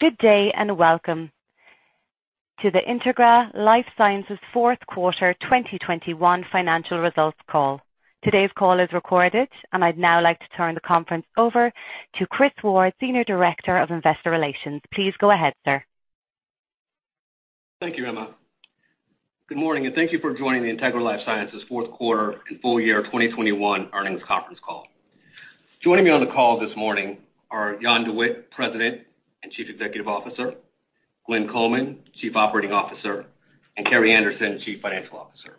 Good day, and welcome to the Integra LifeSciences Fourth Quarter 2021 Financial Results Call. Today's call is recorded, and I'd now like to turn the conference over to Chris Ward, Senior Director of Investor Relations. Please go ahead, sir. Thank you, Emma. Good morning, and thank you for joining the Integra LifeSciences Fourth Quarter and Full Year 2021 Earnings Conference Call. Joining me on the call this morning are Jan De Witte, President and Chief Executive Officer, Glenn Coleman, Chief Operating Officer, and Carrie Anderson, Chief Financial Officer.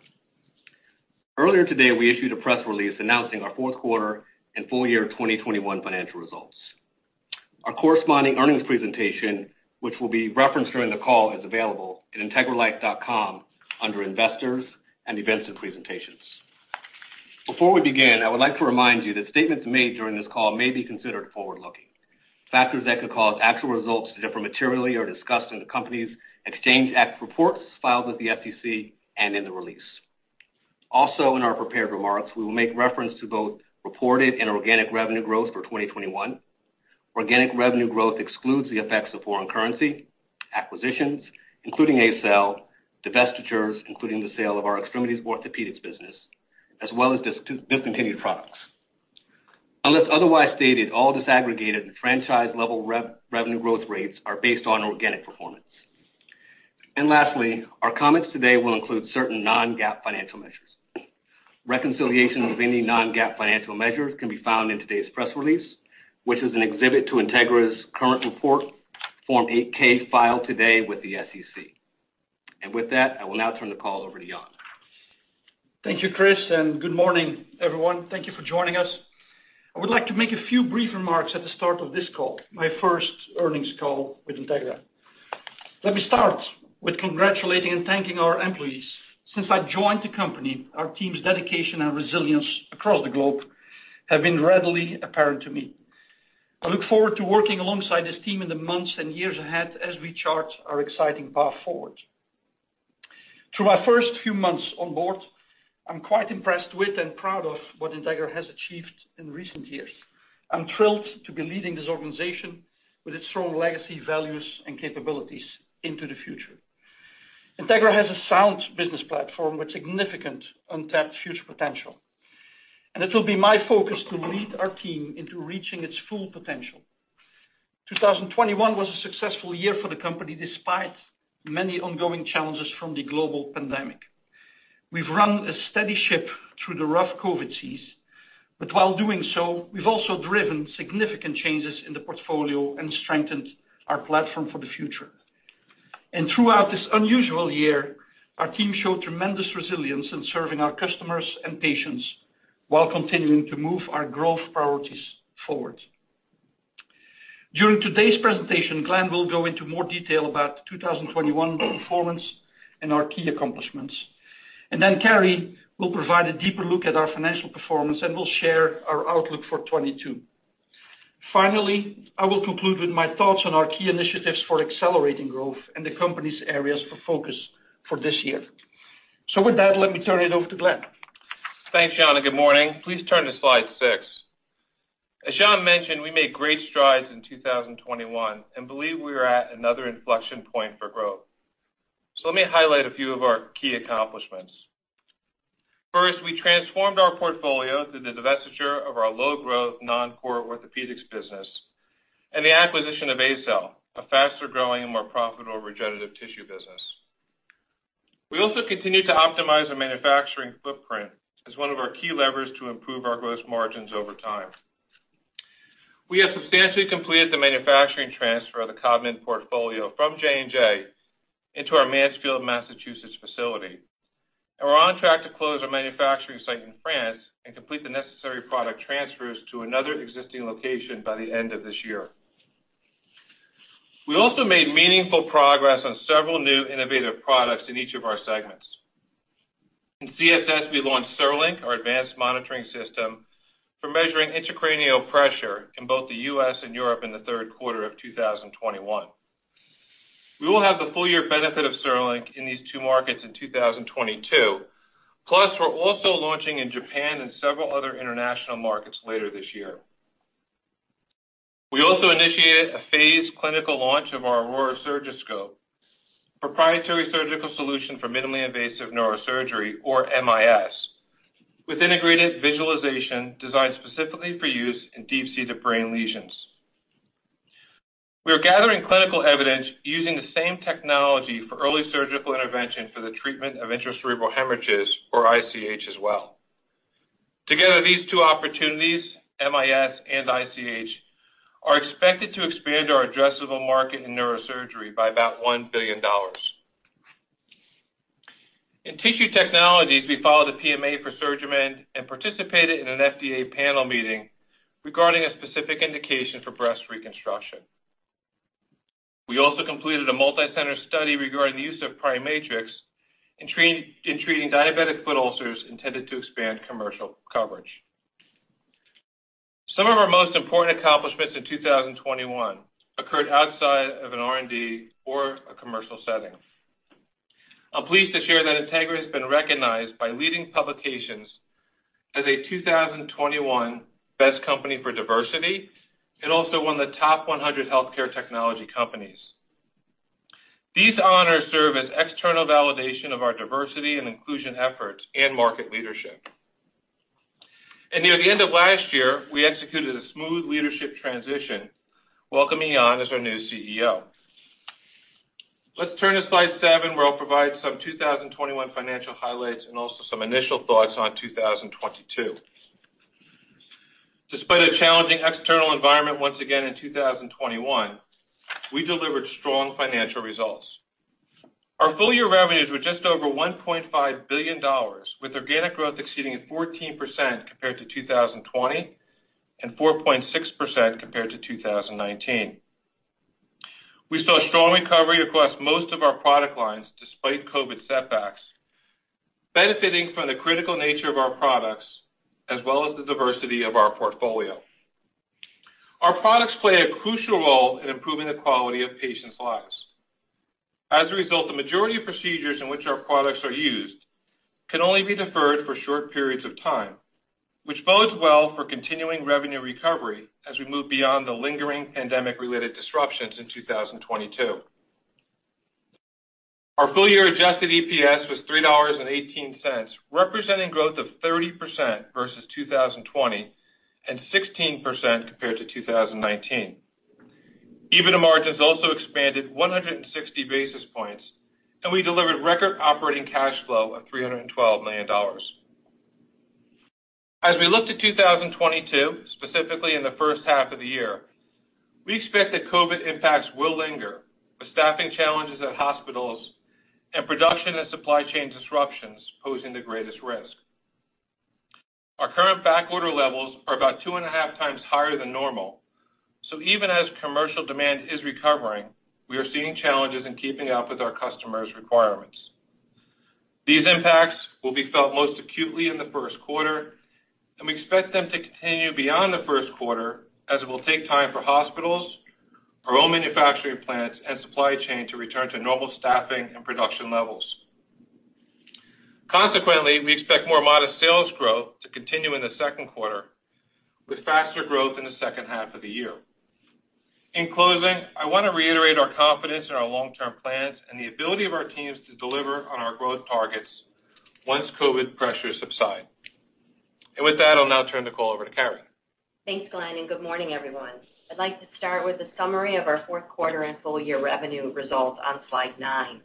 Earlier today, we issued a press release announcing our fourth quarter and full year 2021 financial results. Our corresponding earnings presentation, which will be referenced during the call, is available at integralife.com under Investors and Events and Presentations. Before we begin, I would like to remind you that statements made during this call may be considered forward-looking. Factors that could cause actual results to differ materially are discussed in the company's Exchange Act reports filed with the SEC and in the release. Also, in our prepared remarks, we will make reference to both reported and organic revenue growth for 2021. Organic revenue growth excludes the effects of foreign currency, acquisitions, including ACell, divestitures, including the sale of our Extremities Orthopedics business, as well as discontinued products. Unless otherwise stated, all disaggregated franchise-level revenue growth rates are based on organic performance. Lastly, our comments today will include certain non-GAAP financial measures. Reconciliation of any non-GAAP financial measures can be found in today's press release, which is an exhibit to Integra's current report, Form 8-K, filed today with the SEC. With that, I will now turn the call over to Jan. Thank you, Chris, and good morning, everyone. Thank you for joining us. I would like to make a few brief remarks at the start of this call, my first earnings call with Integra. Let me start with congratulating and thanking our employees. Since I've joined the company, our team's dedication and resilience across the globe have been readily apparent to me. I look forward to working alongside this team in the months and years ahead as we chart our exciting path forward. Through my first few months on board, I'm quite impressed with and proud of what Integra has achieved in recent years. I'm thrilled to be leading this organization with its strong legacy, values, and capabilities into the future. Integra has a sound business platform with significant untapped future potential, and it will be my focus to lead our team into reaching its full potential. 2021 was a successful year for the company despite many ongoing challenges from the global pandemic. We've run a steady ship through the rough COVID seas, but while doing so, we've also driven significant changes in the portfolio and strengthened our platform for the future. Throughout this unusual year, our team showed tremendous resilience in serving our customers and patients while continuing to move our growth priorities forward. During today's presentation, Glenn will go into more detail about 2021 performance and our key accomplishments. Then Carrie will provide a deeper look at our financial performance, and we'll share our outlook for 2022. Finally, I will conclude with my thoughts on our key initiatives for accelerating growth and the company's areas of focus for this year. With that, let me turn it over to Glenn. Thanks, Jan, and good morning. Please turn to slide six. As Jan mentioned, we made great strides in 2021 and believe we are at another inflection point for growth. Let me highlight a few of our key accomplishments. First, we transformed our portfolio through the divestiture of our low-growth, non-core orthopedics business and the acquisition of ACell, a faster-growing and more profitable regenerative tissue business. We also continued to optimize our manufacturing footprint as one of our key levers to improve our gross margins over time. We have substantially completed the manufacturing transfer of the Codman portfolio from J&J into our Mansfield, Massachusetts facility, and we're on track to close our manufacturing site in France and complete the necessary product transfers to another existing location by the end of this year. We also made meaningful progress on several new innovative products in each of our segments. In CSS, we launched CereLink, our advanced monitoring system, for measuring intracranial pressure in both the U.S. and Europe in the third quarter of 2021. We will have the full year benefit of CereLink in these two markets in 2022. Plus, we're also launching in Japan and several other international markets later this year. We also initiated a phased clinical launch of our AURORA Surgiscope, proprietary surgical solution for minimally invasive neurosurgery or MIS, with integrated visualization designed specifically for use in deep-seated brain lesions. We are gathering clinical evidence using the same technology for early surgical intervention for the treatment of intracerebral hemorrhages or ICH as well. Together, these two opportunities, MIS and ICH, are expected to expand our addressable market in neurosurgery by about $1 billion. In Tissue Technologies, we followed a PMA for SurgiMend and participated in an FDA panel meeting regarding a specific indication for breast reconstruction. We also completed a multi-center study regarding the use of PriMatrix in treating diabetic foot ulcers intended to expand commercial coverage. Some of our most important accomplishments in 2021 occurred outside of an R&D or a commercial setting. I'm pleased to share that Integra has been recognized by leading publications as a 2021 Best Company for Diversity, and also one of the top 100 healthcare technology companies. These honors serve as external validation of our diversity and inclusion efforts and market leadership. Near the end of last year, we executed a smooth leadership transition, welcoming Jan as our new CEO. Let's turn to slide seven, where I'll provide some 2021 financial highlights and also some initial thoughts on 2022. Despite a challenging external environment once again in 2021, we delivered strong financial results. Our full year revenues were just over $1.5 billion, with organic growth exceeding 14% compared to 2020, and 4.6% compared to 2019. We saw strong recovery across most of our product lines despite COVID setbacks, benefiting from the critical nature of our products as well as the diversity of our portfolio. Our products play a crucial role in improving the quality of patients' lives. As a result, the majority of procedures in which our products are used can only be deferred for short periods of time, which bodes well for continuing revenue recovery as we move beyond the lingering pandemic-related disruptions in 2022. Our full year adjusted EPS was $3.18, representing growth of 30% versus 2020, and 16% compared to 2019. EBITDA margins also expanded 160 basis points, and we delivered record operating cash flow of $312 million. As we look to 2022, specifically in the first half of the year, we expect that COVID impacts will linger, with staffing challenges at hospitals and production and supply chain disruptions posing the greatest risk. Our current backorder levels are about two and a half times higher than normal, so even as commercial demand is recovering, we are seeing challenges in keeping up with our customers' requirements. These impacts will be felt most acutely in the first quarter, and we expect them to continue beyond the first quarter, as it will take time for hospitals, our own manufacturing plants, and supply chain to return to normal staffing and production levels. Consequently, we expect more modest sales growth to continue in the second quarter, with faster growth in the second half of the year. In closing, I want to reiterate our confidence in our long-term plans and the ability of our teams to deliver on our growth targets once COVID pressures subside. With that, I'll now turn the call over to Carrie. Thanks, Glenn, and good morning, everyone. I'd like to start with a summary of our fourth quarter and full year revenue results on slide nine.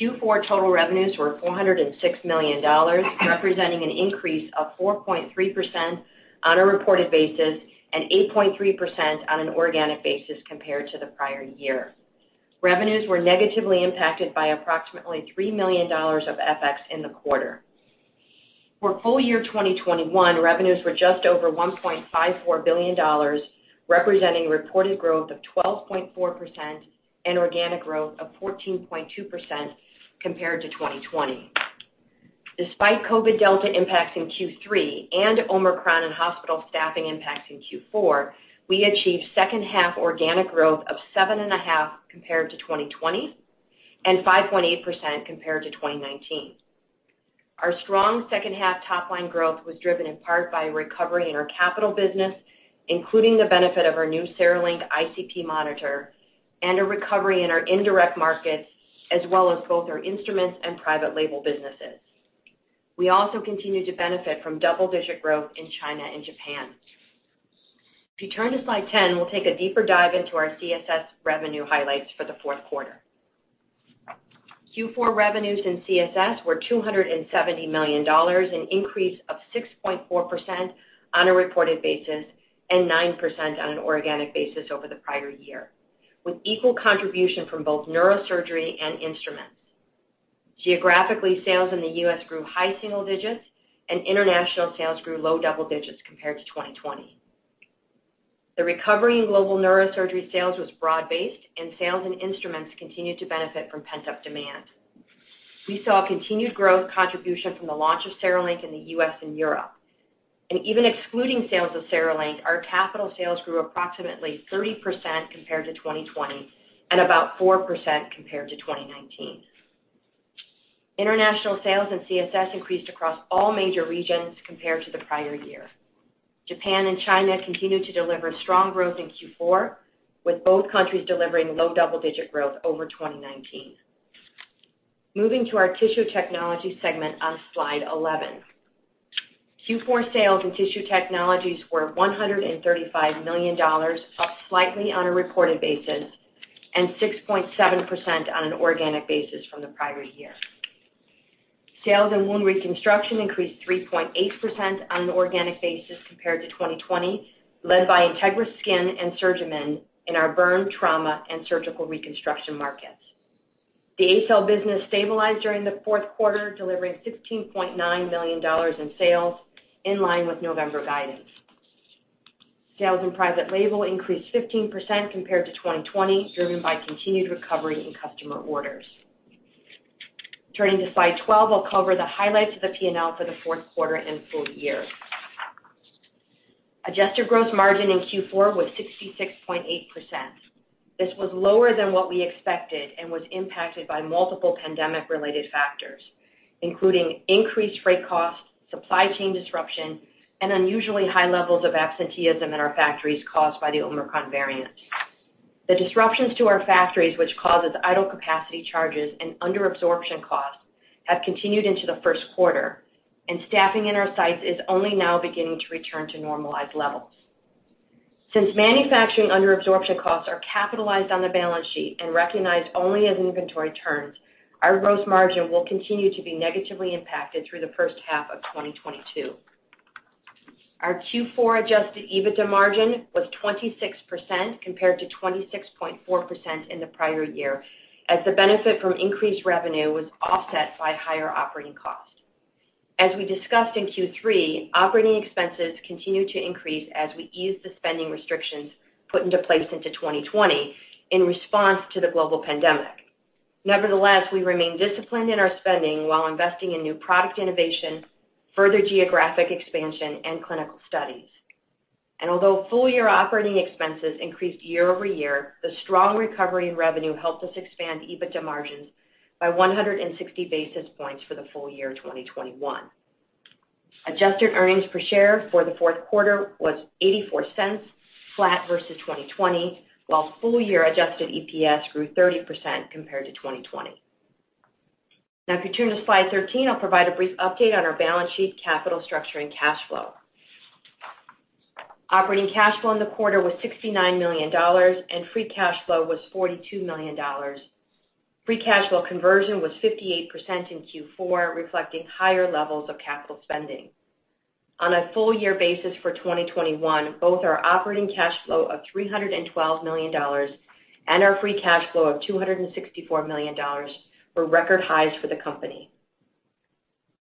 Q4 total revenues were $406 million, representing an increase of 4.3% on a reported basis and 8.3% on an organic basis compared to the prior year. Revenues were negatively impacted by approximately $3 million of FX in the quarter. For full year 2021, revenues were just over $1.54 billion, representing reported growth of 12.4% and organic growth of 14.2% compared to 2020. Despite COVID Delta impacts in Q3 and Omicron and hospital staffing impacts in Q4, we achieved second half organic growth of 7.5% compared to 2020 and 5.8% compared to 2019. Our strong second half top line growth was driven in part by recovery in our capital business, including the benefit of our new CereLink ICP monitor and a recovery in our indirect markets, as well as both our instruments and private label businesses. We also continue to benefit from double-digit growth in China and Japan. If you turn to slide 10, we'll take a deeper dive into our CSS revenue highlights for the fourth quarter. Q4 revenues in CSS were $270 million, an increase of 6.4% on a reported basis and 9% on an organic basis over the prior year, with equal contribution from both neurosurgery and instruments. Geographically, sales in the U.S. grew high single digits and international sales grew low double digits compared to 2020. The recovery in global neurosurgery sales was broad-based and sales and instruments continued to benefit from pent-up demand. We saw continued growth contribution from the launch of CereLink in the U.S. and Europe. Even excluding sales of CereLink, our capital sales grew approximately 30% compared to 2020 and about 4% compared to 2019. International sales in CSS increased across all major regions compared to the prior year. Japan and China continued to deliver strong growth in Q4, with both countries delivering low double-digit growth over 2019. Moving to our Tissue Technologies segment on slide 11. Q4 sales in Tissue Technologies were $135 million, up slightly on a reported basis and 6.7% on an organic basis from the prior year. Sales in wound reconstruction increased 3.8% on an organic basis compared to 2020, led by Integra Skin and SurgiMend in our burn, trauma, and surgical reconstruction markets. The ACell business stabilized during the fourth quarter, delivering $15.9 million in sales, in line with November guidance. Sales in private label increased 15% compared to 2020, driven by continued recovery in customer orders. Turning to slide 12, I'll cover the highlights of the P&L for the fourth quarter and full year. Adjusted gross margin in Q4 was 66.8%. This was lower than what we expected and was impacted by multiple pandemic-related factors, including increased freight costs, supply chain disruption, and unusually high levels of absenteeism in our factories caused by the Omicron variant. The disruptions to our factories, which causes idle capacity charges and under-absorption costs, have continued into the first quarter, and staffing in our sites is only now beginning to return to normalized levels. Since manufacturing under-absorption costs are capitalized on the balance sheet and recognized only as inventory turns, our gross margin will continue to be negatively impacted through the first half of 2022. Our Q4 adjusted EBITDA margin was 26% compared to 26.4% in the prior year, as the benefit from increased revenue was offset by higher operating costs. As we discussed in Q3, operating expenses continued to increase as we ease the spending restrictions put into place into 2020 in response to the global pandemic. Nevertheless, we remain disciplined in our spending while investing in new product innovation, further geographic expansion, and clinical studies. Although full-year operating expenses increased year-over-year, the strong recovery in revenue helped us expand EBITDA margins by 160 basis points for the full year 2021. Adjusted earnings per share for the fourth quarter was $0.84, flat versus 2020, while full-year adjusted EPS grew 30% compared to 2020. Now, if you turn to slide 13, I'll provide a brief update on our balance sheet capital structure and cash flow. Operating cash flow in the quarter was $69 million, and free cash flow was $42 million. Free cash flow conversion was 58% in Q4, reflecting higher levels of capital spending. On a full year basis for 2021, both our operating cash flow of $312 million and our free cash flow of $264 million were record highs for the company.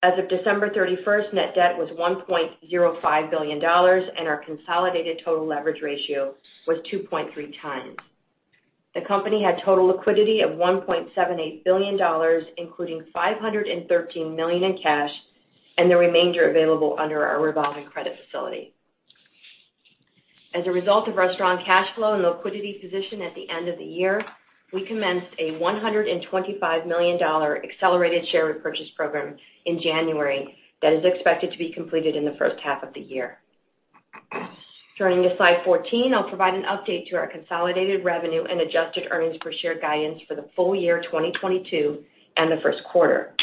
As of December 31st, net debt was $1.05 billion, and our consolidated total leverage ratio was 2.3x. The company had total liquidity of $1.78 billion, including $513 million in cash, and the remainder available under our revolving credit facility. As a result of our strong cash flow and liquidity position at the end of the year, we commenced a $125 million accelerated share repurchase program in January that is expected to be completed in the first half of the year. Turning to slide 14, I'll provide an update to our consolidated revenue and adjusted earnings per share guidance for the full year 2022 and the first quarter.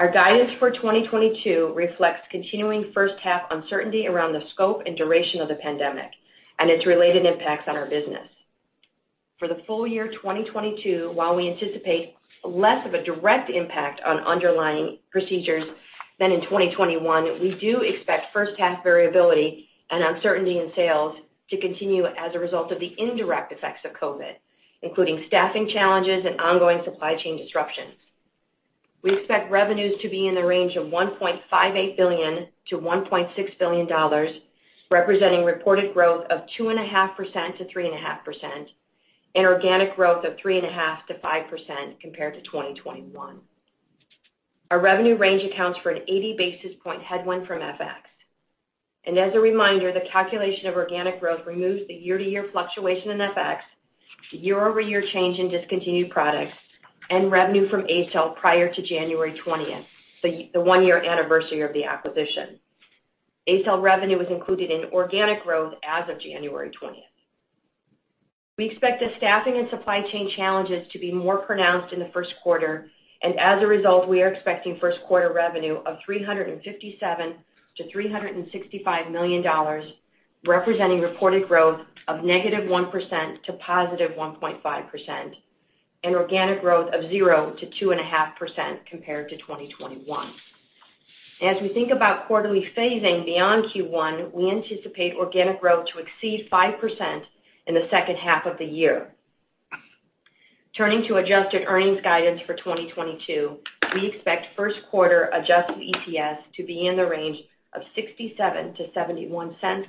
Our guidance for 2022 reflects continuing first half uncertainty around the scope and duration of the pandemic and its related impacts on our business. For the full year 2022, while we anticipate less of a direct impact on underlying procedures than in 2021, we do expect first half variability and uncertainty in sales to continue as a result of the indirect effects of COVID, including staffing challenges and ongoing supply chain disruptions. We expect revenues to be in the range of $1.58 billion-$1.6 billion, representing reported growth of 2.5%-3.5% and organic growth of 3.5%-5% compared to 2021. Our revenue range accounts for an 80 basis point headwind from FX. As a reminder, the calculation of organic growth removes the year-to-year fluctuation in FX, year-over-year change in discontinued products, and revenue from ACell prior to January twentieth, the one-year anniversary of the acquisition. ACell revenue is included in organic growth as of January twentieth. We expect the staffing and supply chain challenges to be more pronounced in the first quarter, and as a result, we are expecting first quarter revenue of $357 million-$365 million, representing reported growth of -1% to +1.5% and organic growth of 0%-2.5% compared to 2021. As we think about quarterly phasing beyond Q1, we anticipate organic growth to exceed 5% in the second half of the year. Turning to adjusted earnings guidance for 2022, we expect first quarter adjusted EPS to be in the range of $0.67-$0.71.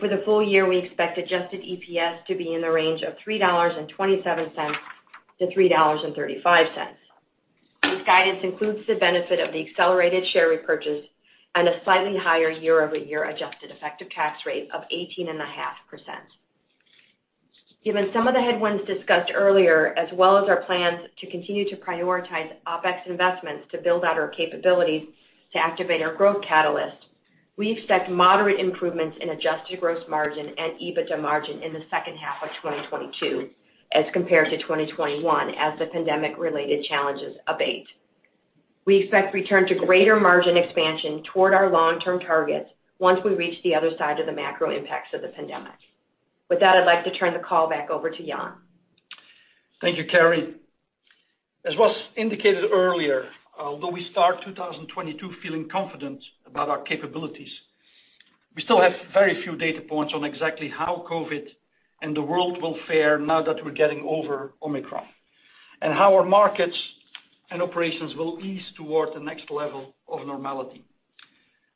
For the full year, we expect adjusted EPS to be in the range of $3.27-$3.35. This guidance includes the benefit of the accelerated share repurchase and a slightly higher year-over-year adjusted effective tax rate of 18.5%. Given some of the headwinds discussed earlier, as well as our plans to continue to prioritize OpEx investments to build out our capabilities to activate our growth catalyst, we expect moderate improvements in adjusted gross margin and EBITDA margin in the second half of 2022 as compared to 2021 as the pandemic-related challenges abate. We expect return to greater margin expansion toward our long-term targets once we reach the other side of the macro impacts of the pandemic. With that, I'd like to turn the call back over to Jan. Thank you, Carrie. As was indicated earlier, although we start 2022 feeling confident about our capabilities, we still have very few data points on exactly how COVID and the world will fare now that we're getting over Omicron, and how our markets and operations will ease toward the next level of normality.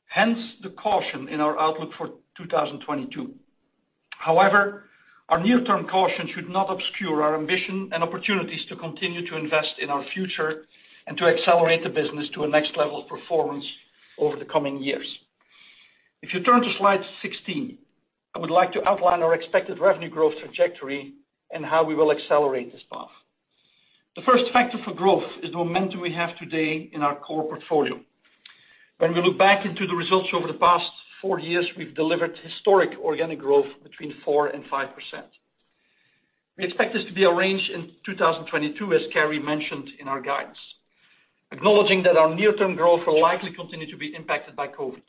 Hence, the caution in our outlook for 2022. However, our near-term caution should not obscure our ambition and opportunities to continue to invest in our future and to accelerate the business to a next level of performance over the coming years. If you turn to slide 16, I would like to outline our expected revenue growth trajectory and how we will accelerate this path. The first factor for growth is the momentum we have today in our core portfolio. When we look back into the results over the past four years, we've delivered historic organic growth between 4% and 5%. We expect this to be a range in 2022, as Carrie mentioned in our guidance, acknowledging that our near-term growth will likely continue to be impacted by COVID.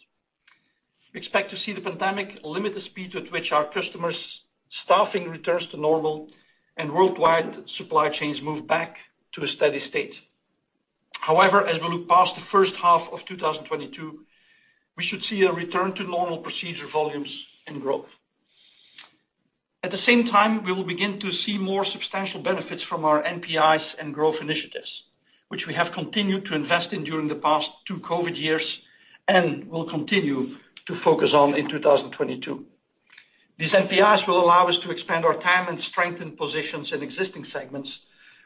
We expect to see the pandemic limit the speed at which our customers' staffing returns to normal and worldwide supply chains move back to a steady state. However, as we look past the first half of 2022, we should see a return to normal procedure volumes and growth. At the same time, we will begin to see more substantial benefits from our NPIs and growth initiatives, which we have continued to invest in during the past two COVID years and will continue to focus on in 2022. These NPIs will allow us to expand our time and strengthen positions in existing segments,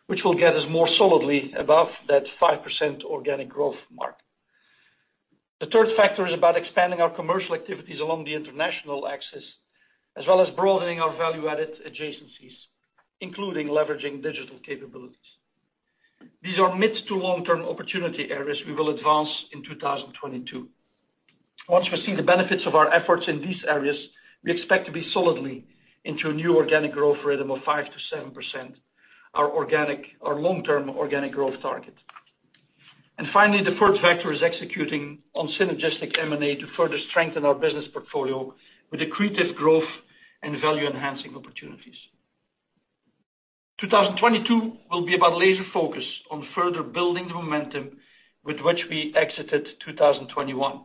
which will get us more solidly above that 5% organic growth mark. The third factor is about expanding our commercial activities along the international axis, as well as broadening our value-added adjacencies, including leveraging digital capabilities. These are mid- to long-term opportunity areas we will advance in 2022. Once we see the benefits of our efforts in these areas, we expect to be solidly into a new organic growth rhythm of 5%-7%, our long-term organic growth target. Finally, the fourth factor is executing on synergistic M&A to further strengthen our business portfolio with accretive growth and value-enhancing opportunities. 2022 will be about laser focus on further building the momentum with which we exited 2021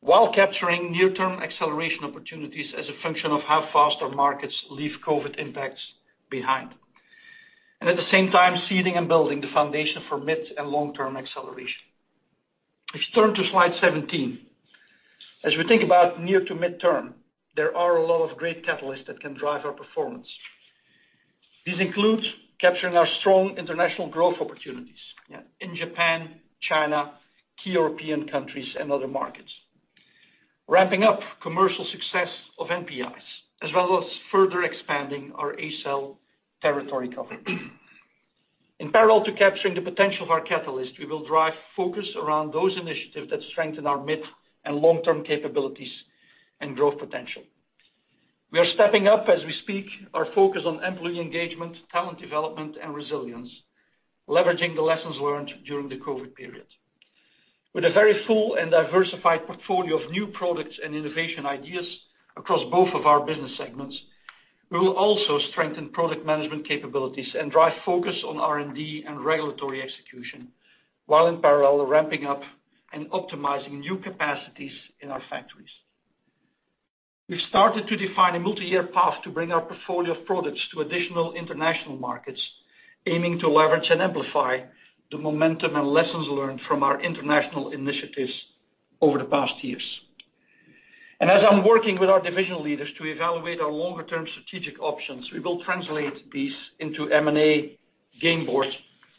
while capturing near-term acceleration opportunities as a function of how fast our markets leave COVID impacts behind. At the same time, seeding and building the foundation for mid- and long-term acceleration. If you turn to slide 17. As we think about near- to mid-term, there are a lot of great catalysts that can drive our performance. This includes capturing our strong international growth opportunities in Japan, China, key European countries and other markets. Ramping up commercial success of NPIs, as well as further expanding our ACell territory cover. In parallel to capturing the potential of our catalyst, we will drive focus around those initiatives that strengthen our mid- and long-term capabilities and growth potential. We are stepping up as we speak, our focus on employee engagement, talent development and resilience, leveraging the lessons learned during the COVID period. With a very full and diversified portfolio of new products and innovation ideas across both of our business segments, we will also strengthen product management capabilities and drive focus on R&D and regulatory execution, while in parallel, ramping up and optimizing new capacities in our factories. We've started to define a multi-year path to bring our portfolio of products to additional international markets, aiming to leverage and amplify the momentum and lessons learned from our international initiatives over the past years. As I'm working with our divisional leaders to evaluate our longer-term strategic options, we will translate these into M&A game boards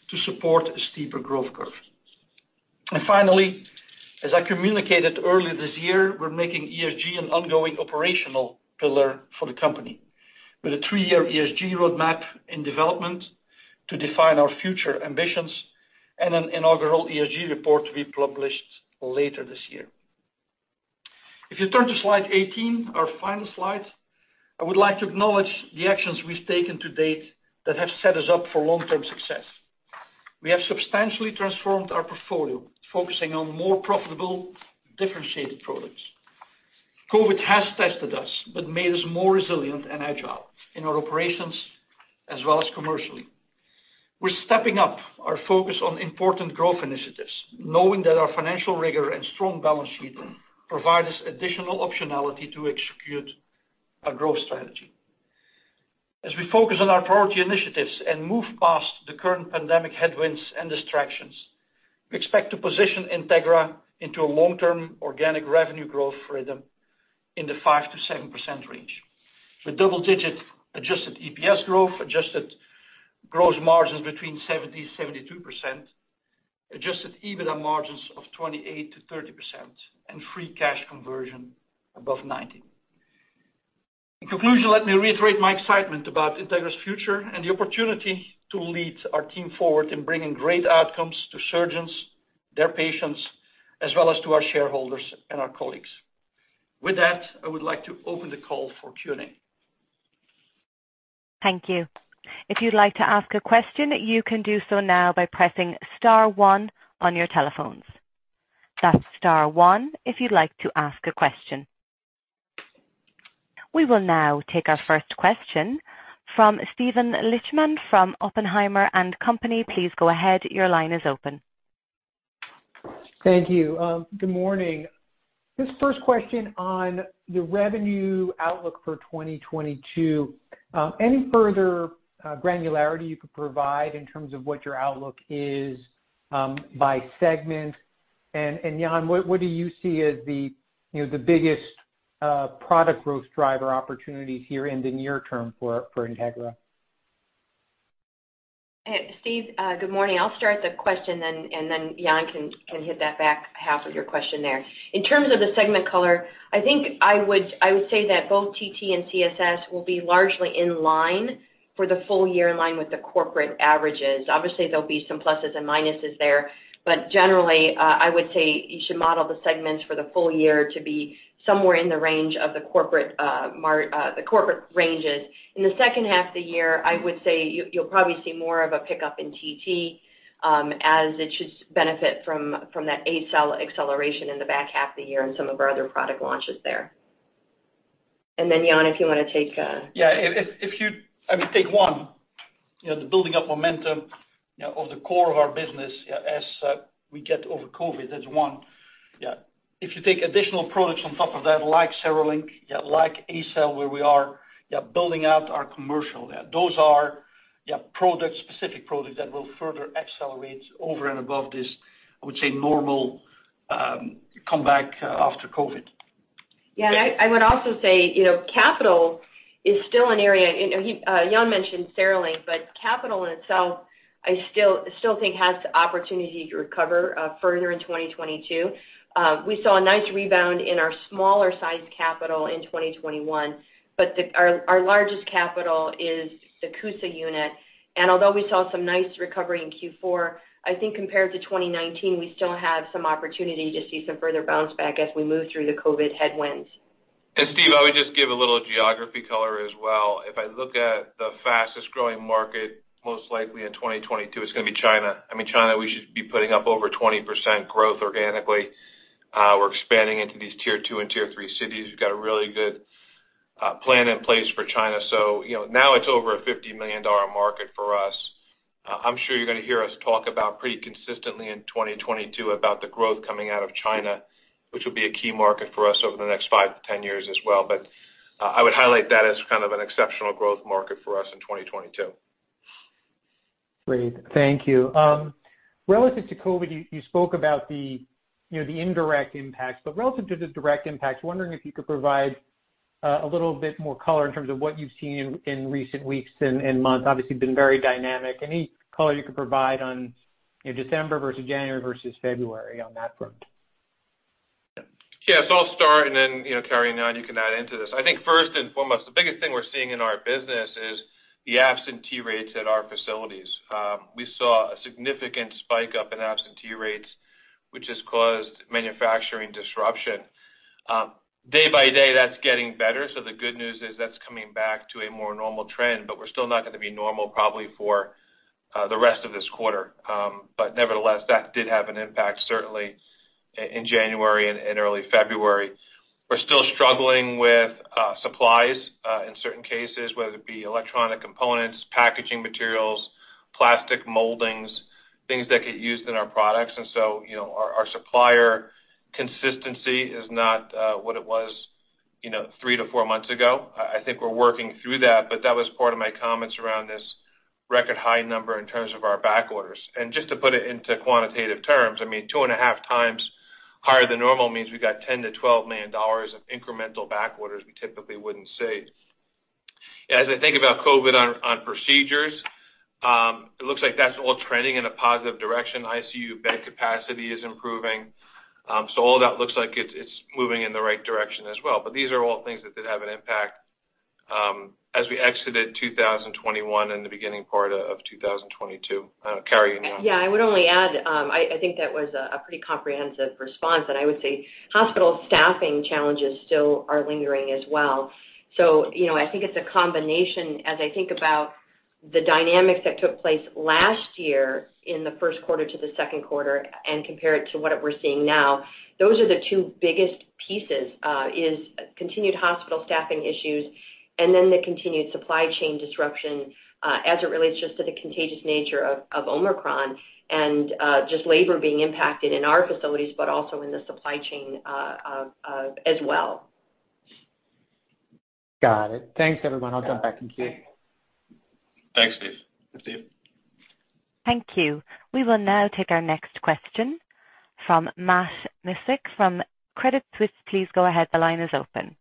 to support a steeper growth curve. Finally, as I communicated earlier this year, we're making ESG an ongoing operational pillar for the company with a three-year ESG roadmap in development to define our future ambitions and an inaugural ESG report to be published later this year. If you turn to slide 18, our final slide, I would like to acknowledge the actions we've taken to date that have set us up for long-term success. We have substantially transformed our portfolio, focusing on more profitable, differentiated products. COVID has tested us, but made us more resilient and agile in our operations as well as commercially. We're stepping up our focus on important growth initiatives, knowing that our financial rigor and strong balance sheet provide us additional optionality to execute our growth strategy. As we focus on our priority initiatives and move past the current pandemic headwinds and distractions, we expect to position Integra into a long-term organic revenue growth rhythm in the 5%-7% range with double-digit adjusted EPS growth, adjusted gross margins between 70%-72%, adjusted EBITDA margins of 28%-30%, and free cash conversion above 90%. In conclusion, let me reiterate my excitement about Integra's future and the opportunity to lead our team forward in bringing great outcomes to surgeons, their patients, as well as to our shareholders and our colleagues. With that, I would like to open the call for Q&A. Thank you. If you'd like to ask a question, you can do so now by pressing star one on your telephones. That's star one if you'd like to ask a question. We will now take our first question from Steven Lichtman from Oppenheimer & Co. Please go ahead. Your line is open. Thank you. Good morning. This first question on the revenue outlook for 2022. Any further granularity you could provide in terms of what your outlook is by segment? Jan, what do you see as the, you know, the biggest product growth driver opportunities here in the near term for Integra? Steve, good morning. I'll start the question then, and then Jan can hit that back half of your question there. In terms of the segment color, I think I would say that both TT and CSS will be largely in line for the full year in line with the corporate averages. Obviously, there'll be some pluses and minuses there. Generally, I would say you should model the segments for the full year to be somewhere in the range of the corporate ranges. In the second half of the year, I would say you'll probably see more of a pickup in TT, as it should benefit from that ACell acceleration in the back half of the year and some of our other product launches there. Jan, if you wanna take. Yeah. If you I mean, take one, you know, the building up momentum, you know, of the core of our business as we get over COVID, that's one. If you take additional products on top of that, like CereLink, like ACell, where we are building out our commercial. Those are products, specific products that will further accelerate over and above this, I would say normal comeback after COVID. I would also say, you know, capital is still an area. Jan mentioned CereLink, but capital in itself, I think has the opportunity to recover further in 2022. We saw a nice rebound in our smaller sized capital in 2021, but our largest capital is the CUSA unit. Although we saw some nice recovery in Q4, I think compared to 2019, we still have some opportunity to see some further bounce back as we move through the COVID headwinds. Steve, I would just give a little geography color as well. If I look at the fastest-growing market, most likely in 2022, it's gonna be China. I mean, China, we should be putting up over 20% growth organically. We're expanding into these tier two and tier three cities. We've got a really good plan in place for China. So, you know, now it's over a $50 million market for us. I'm sure you're gonna hear us talk about pretty consistently in 2022 about the growth coming out of China, which will be a key market for us over the next five to 10 years as well. I would highlight that as kind of an exceptional growth market for us in 2022. Great. Thank you. Relative to COVID, you spoke about the you know the indirect impacts. Relative to the direct impacts, wondering if you could provide a little bit more color in terms of what you've seen in recent weeks and months, obviously it's been very dynamic. Any color you could provide on you know December versus January versus February on that front? I'll start, and then, you know, Carrie and Jan, you can add into this. I think first and foremost, the biggest thing we're seeing in our business is the absentee rates at our facilities. We saw a significant spike up in absentee rates, which has caused manufacturing disruption. Day by day, that's getting better, so the good news is that's coming back to a more normal trend, but we're still not gonna be normal probably for the rest of this quarter. But nevertheless, that did have an impact, certainly in January and early February. We're still struggling with supplies in certain cases, whether it be electronic components, packaging materials, plastic moldings, things that get used in our products. You know, our supplier consistency is not what it was, you know, three to four months ago. I think we're working through that, but that was part of my comments around this record high number in terms of our back orders. Just to put it into quantitative terms, I mean, 2.5x higher than normal means we got $10 million-$12 million of incremental back orders we typically wouldn't see. As I think about COVID on procedures, it looks like that's all trending in a positive direction. ICU bed capacity is improving. So all that looks like it's moving in the right direction as well. But these are all things that did have an impact as we exited 2021 and the beginning part of 2022. I don't know, Carrie, you know. Yeah. I would only add, I think that was a pretty comprehensive response. I would say hospital staffing challenges still are lingering as well. You know, I think it's a combination as I think about the dynamics that took place last year in the first quarter to the second quarter and compare it to what we're seeing now. Those are the two biggest pieces is continued hospital staffing issues and then the continued supply chain disruption, as it relates just to the contagious nature of Omicron and just labor being impacted in our facilities, but also in the supply chain, as well. Got it. Thanks, everyone. I'll jump back in queue. Thanks, Steve. Thanks, Steve. Thank you. We will now take our next question from Matt Miksic from Credit Suisse. Please go ahead. The line is open.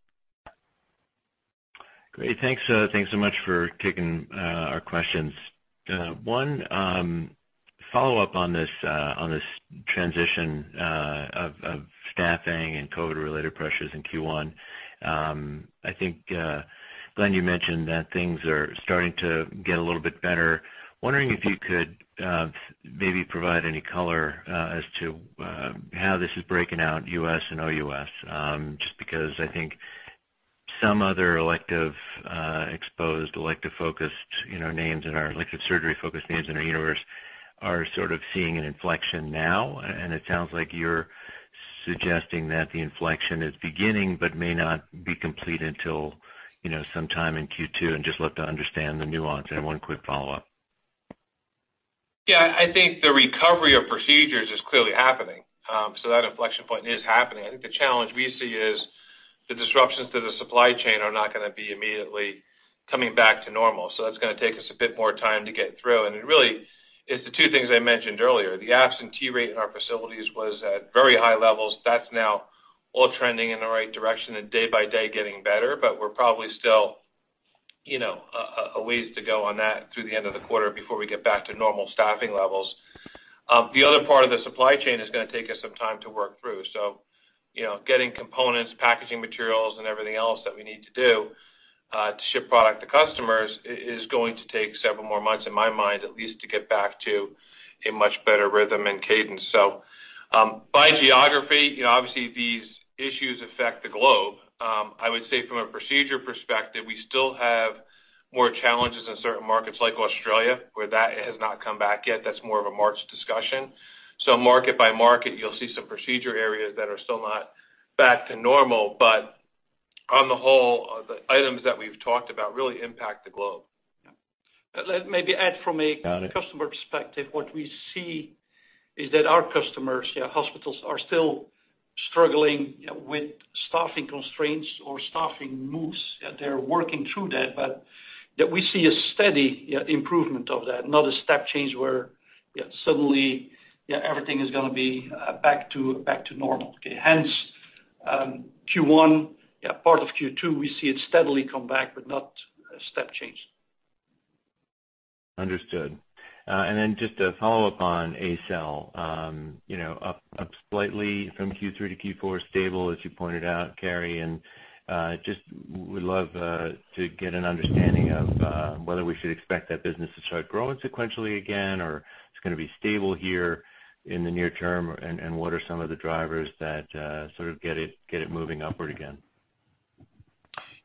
Great. Thanks so much for taking our questions. One follow-up on this transition of staffing and COVID-related pressures in Q1. I think, Glenn, you mentioned that things are starting to get a little bit better. Wondering if you could maybe provide any color as to how this is breaking out US and OUS, just because I think some other elective-exposed, elective-focused, you know, elective surgery-focused names in our universe are sort of seeing an inflection now. It sounds like you're suggesting that the inflection is beginning, but may not be complete until, you know, sometime in Q2, and I'd just love to understand the nuance. One quick follow-up. Yeah. I think the recovery of procedures is clearly happening. That inflection point is happening. I think the challenge we see is the disruptions to the supply chain are not gonna be immediately coming back to normal. That's gonna take us a bit more time to get through. It really is the two things I mentioned earlier. The absentee rate in our facilities was at very high levels. That's now all trending in the right direction and day by day getting better, but we're probably still, you know, a ways to go on that through the end of the quarter before we get back to normal staffing levels. The other part of the supply chain is gonna take us some time to work through. You know, getting components, packaging materials, and everything else that we need to do to ship product to customers is going to take several more months, in my mind, at least to get back to a much better rhythm and cadence. By geography, you know, obviously, these issues affect the globe. I would say from a procedure perspective, we still have more challenges in certain markets like Australia, where that has not come back yet. That's more of a March discussion. Market by market, you'll see some procedure areas that are still not back to normal, but on the whole, the items that we've talked about really impact the globe. Maybe add from a customer perspective, what we see is that our customers, hospitals are still struggling with staffing constraints or staffing moves. They're working through that, but that we see a steady improvement of that, not a step change where suddenly everything is gonna be back to normal, okay. Hence, Q1, part of Q2, we see it steadily come back, but not a step change. Understood. Just to follow up on ACell, you know, up slightly from Q3 to Q4, stable, as you pointed out, Carrie, and just would love to get an understanding of whether we should expect that business to start growing sequentially again or it's gonna be stable here in the near term, and what are some of the drivers that sort of get it moving upward again?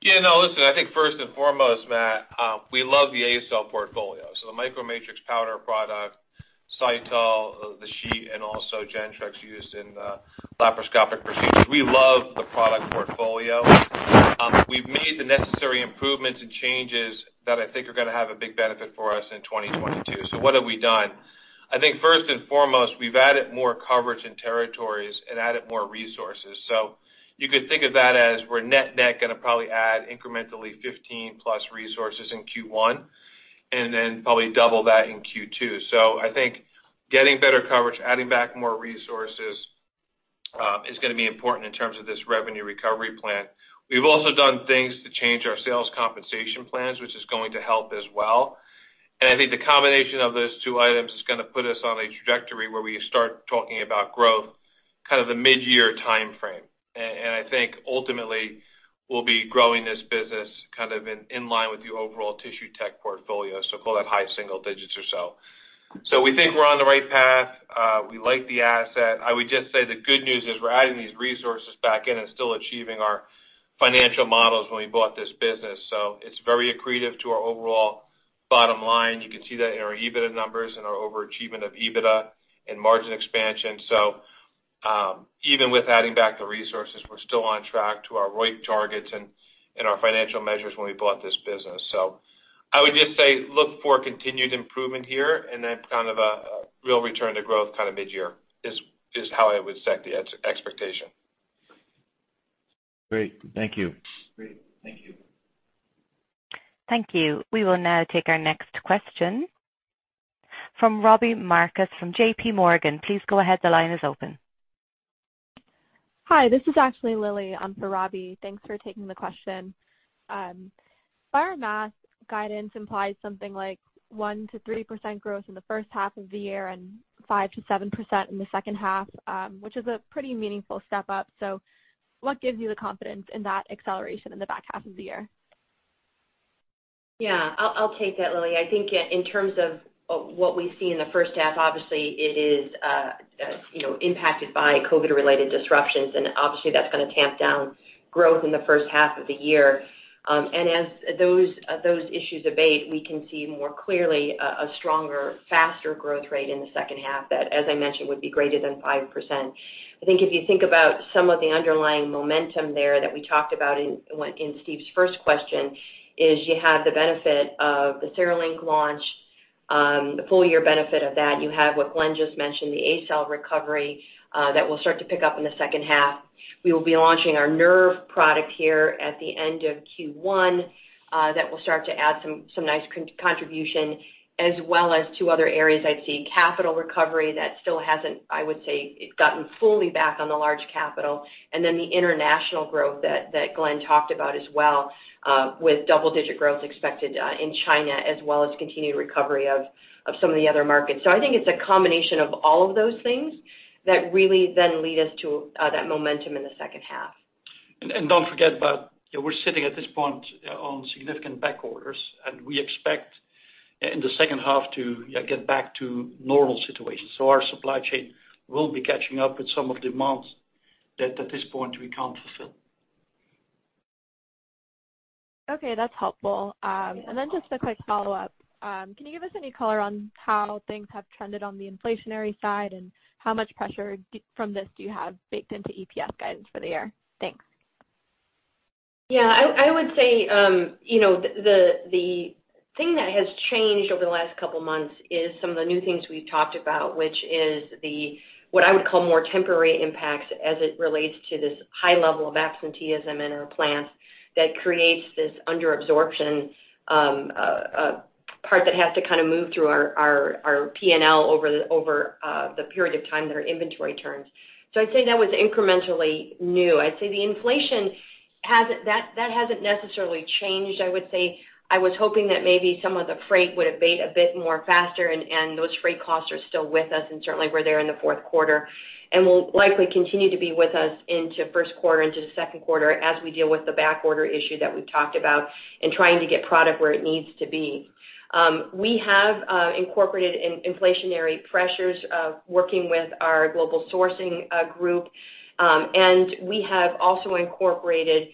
Yeah, no, listen, I think first and foremost, Matt, we love the ACell portfolio. The MicroMatrix powder product, Cytal, the sheet, and also Gentrix used in laparoscopic procedures. We love the product portfolio. We've made the necessary improvements and changes that I think are gonna have a big benefit for us in 2022. What have we done? I think first and foremost, we've added more coverage and territories and added more resources. You could think of that as we're net net gonna probably add incrementally 15+ resources in Q1 and then probably double that in Q2. I think getting better coverage, adding back more resources is gonna be important in terms of this revenue recovery plan. We've also done things to change our sales compensation plans, which is going to help as well. I think the combination of those two items is gonna put us on a trajectory where we start talking about growth kind of the mid-year timeframe. I think, ultimately, we'll be growing this business kind of in line with the overall Tissue Tech portfolio, so call that high single digits or so. We think we're on the right path. We like the asset. I would just say the good news is we're adding these resources back in and still achieving our financial models when we bought this business. It's very accretive to our overall bottom line. You can see that in our EBITDA numbers and our overachievement of EBITDA and margin expansion. Even with adding back the resources, we're still on track to our ROIC targets and our financial measures when we bought this business. I would just say look for continued improvement here and then kind of a real return to growth kind of mid-year is how I would set the expectation. Great. Thank you. Great. Thank you. Thank you. We will now take our next question from Robbie Marcus from JPMorgan. Please go ahead. The line is open. Hi, this is actually Lily. I'm for Robbie. Thanks for taking the question. By our math, guidance implies something like 1%-3% growth in the first half of the year and 5%-7% in the second half, which is a pretty meaningful step up. What gives you the confidence in that acceleration in the back half of the year? Yeah. I'll take that, Lily. I think in terms of what we see in the first half, obviously it is impacted by COVID-related disruptions, and obviously that's gonna tamp down growth in the first half of the year. As those issues abate, we can see more clearly a stronger, faster growth rate in the second half that, as I mentioned, would be greater than 5%. I think if you think about some of the underlying momentum there that we talked about in Steven's first question, is you have the benefit of the CereLink launch, the full year benefit of that. You have what Glenn just mentioned, the ACell recovery, that will start to pick up in the second half. We will be launching our nerve product here at the end of Q1 that will start to add some nice contribution, as well as two other areas I'd see capital recovery that still hasn't, I would say, gotten fully back on the large capital, and then the international growth that Glenn talked about as well, with double-digit growth expected in China, as well as continued recovery of some of the other markets. I think it's a combination of all of those things that really then lead us to that momentum in the second half. Don't forget about, you know, we're sitting at this point on significant back orders, and we expect in the second half to, yeah, get back to normal situations. Our supply chain will be catching up with some of the amounts that at this point we can't fulfill. Okay, that's helpful. Just a quick follow-up. Can you give us any color on how things have trended on the inflationary side, and how much pressure from this do you have baked into EPS guidance for the year? Thanks. Yeah, I would say, you know, the thing that has changed over the last couple months is some of the new things we've talked about, which is what I would call more temporary impacts as it relates to this high level of absenteeism in our plants that creates this under absorption, part that has to kind of move through our P&L over the period of time that our inventory turns. I'd say that was incrementally new. I'd say the inflation hasn't. That hasn't necessarily changed, I would say. I was hoping that maybe some of the freight would abate a bit more faster, and those freight costs are still with us, and certainly were there in the fourth quarter, and will likely continue to be with us into first quarter, into second quarter as we deal with the backorder issue that we talked about and trying to get product where it needs to be. We have incorporated in inflationary pressures of working with our global sourcing group, and we have also incorporated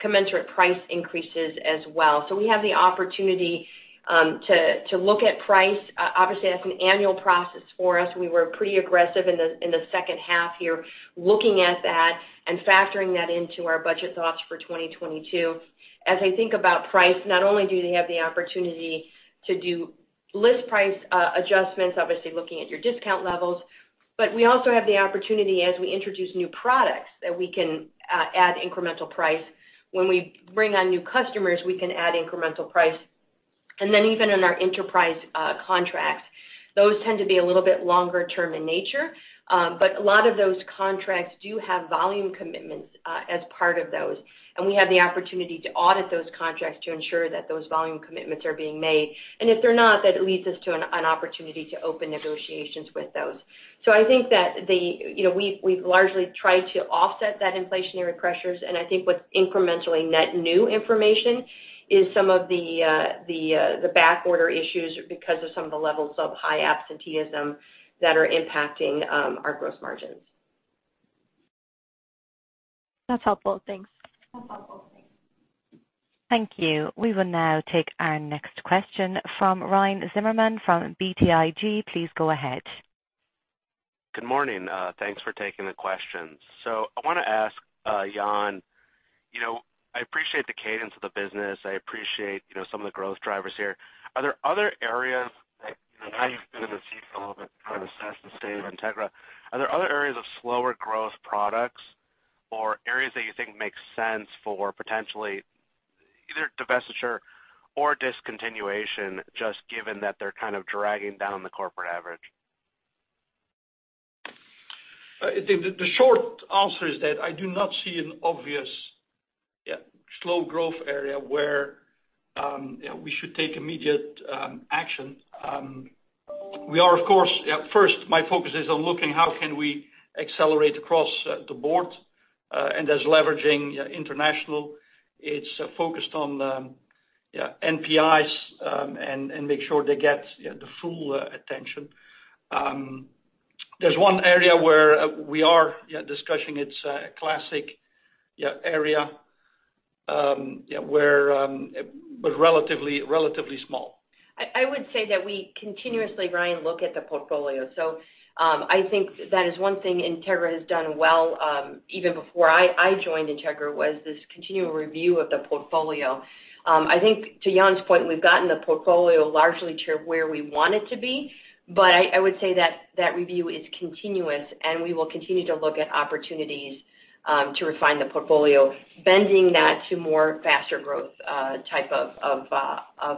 commensurate price increases as well. We have the opportunity to look at price. Obviously that's an annual process for us. We were pretty aggressive in the second half here looking at that and factoring that into our budget thoughts for 2022. As I think about price, not only do they have the opportunity to do list price adjustments, obviously looking at your discount levels, but we also have the opportunity as we introduce new products that we can add incremental price. When we bring on new customers, we can add incremental price. Even in our enterprise contracts, those tend to be a little bit longer term in nature, but a lot of those contracts do have volume commitments as part of those. We have the opportunity to audit those contracts to ensure that those volume commitments are being made. If they're not, that it leads us to an opportunity to open negotiations with those. I think that the, you know, we've largely tried to offset that inflationary pressures, and I think what's incrementally net new information is some of the backorder issues because of some of the levels of high absenteeism that are impacting our gross margins. That's helpful. Thanks. Thank you. We will now take our next question from Ryan Zimmerman from BTIG. Please go ahead. Good morning. Thanks for taking the questions. I want to ask, Jan, you know, I appreciate the cadence of the business. I appreciate, you know, some of the growth drivers here. Are there other areas that, you know, now you've been in the seat a little bit, kind of assessed the state of Integra, are there other areas of slower growth products or areas that you think make sense for potentially either divestiture or discontinuation, just given that they're kind of dragging down the corporate average? The short answer is that I do not see an obvious slow growth area where we should take immediate action. We are of course first, my focus is on looking how we can accelerate across the board, and that's leveraging international. It's focused on NPIs and make sure they get the full attention. There's one area where we are discussing. It's a classic area where but relatively small. I would say that we continuously, Ryan, look at the portfolio. I think that is one thing Integra has done well, even before I joined Integra, was this continual review of the portfolio. I think to Jan's point, we've gotten the portfolio largely to where we want it to be. I would say that review is continuous, and we will continue to look at opportunities to refine the portfolio, bending that to more faster growth type of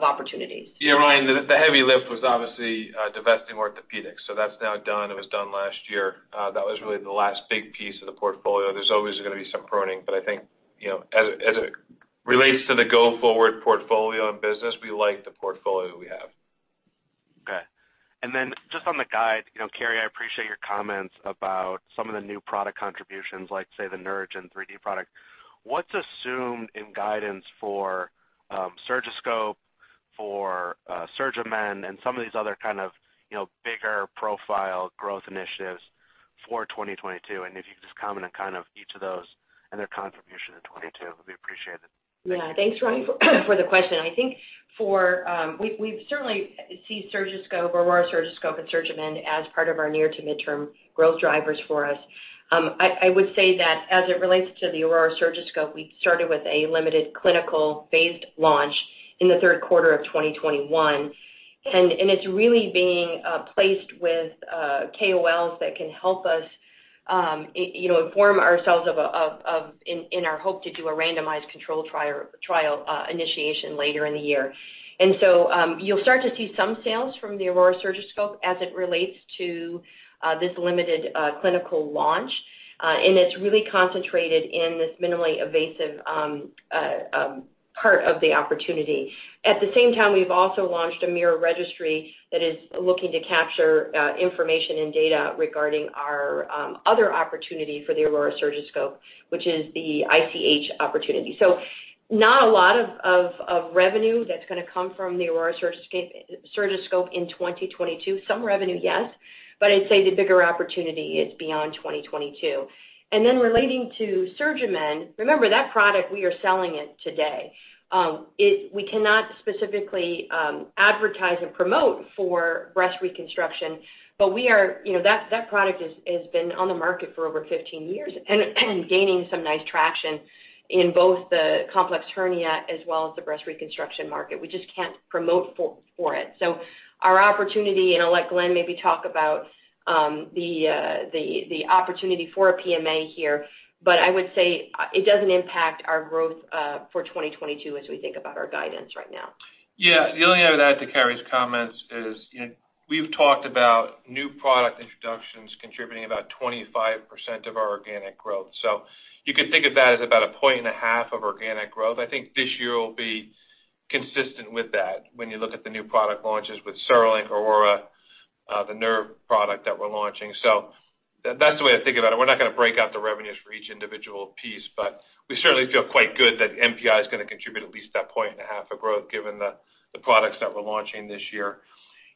opportunities. Yeah, Ryan, the heavy lift was obviously divesting Orthopedics. That's now done. It was done last year. That was really the last big piece of the portfolio. There's always going to be some pruning, but I think, you know, as it relates to the go-forward portfolio and business, we like the portfolio we have. Okay. Just on the guide, you know, Carrie, I appreciate your comments about some of the new product contributions, like say, the NeuraGen 3D product. What's assumed in guidance for Surgiscope, for SurgiMend, and some of these other kind of, you know, bigger profile growth initiatives for 2022? If you could just comment on kind of each of those and their contribution in 2022, would be appreciated. Yeah. Thanks, Ryan, for the question. I think for we've certainly seen Surgiscope, AURORA Surgiscope and SurgiMend as part of our near to midterm growth drivers for us. I would say that as it relates to the AURORA Surgiscope, we started with a limited clinical phased launch in the third quarter of 2021. It's really being placed with KOLs that can help us, you know, inform ourselves of in our hope to do a randomized controlled trial initiation later in the year. You'll start to see some sales from the AURORA Surgiscope as it relates to this limited clinical launch. It's really concentrated in this minimally invasive part of the opportunity. At the same time, we've also launched a mirror registry that is looking to capture information and data regarding our other opportunity for the AURORA Surgiscope, which is the ICH opportunity. Not a lot of revenue that's gonna come from the AURORA Surgiscope in 2022. Some revenue, yes, but I'd say the bigger opportunity is beyond 2022. Relating to SurgiMend, remember that product we are selling it today. We cannot specifically advertise and promote for breast reconstruction, but we are, you know, that product has been on the market for over 15 years and gaining some nice traction in both the complex hernia as well as the breast reconstruction market. We just can't promote for it. Our opportunity, and I'll let Glenn maybe talk about the opportunity for a PMA here, but I would say it doesn't impact our growth for 2022 as we think about our guidance right now. Yeah. The only other add to Carrie's comments is, you know, we've talked about new product introductions contributing about 25% of our organic growth. You could think of that as about a point and a half of organic growth. I think this year will be consistent with that when you look at the new product launches with CereLink, AURORA, the nerve product that we're launching. That's the way to think about it. We're not going to break out the revenues for each individual piece, but we certainly feel quite good that NPI is going to contribute at least that point and a half of growth given the products that we're launching this year.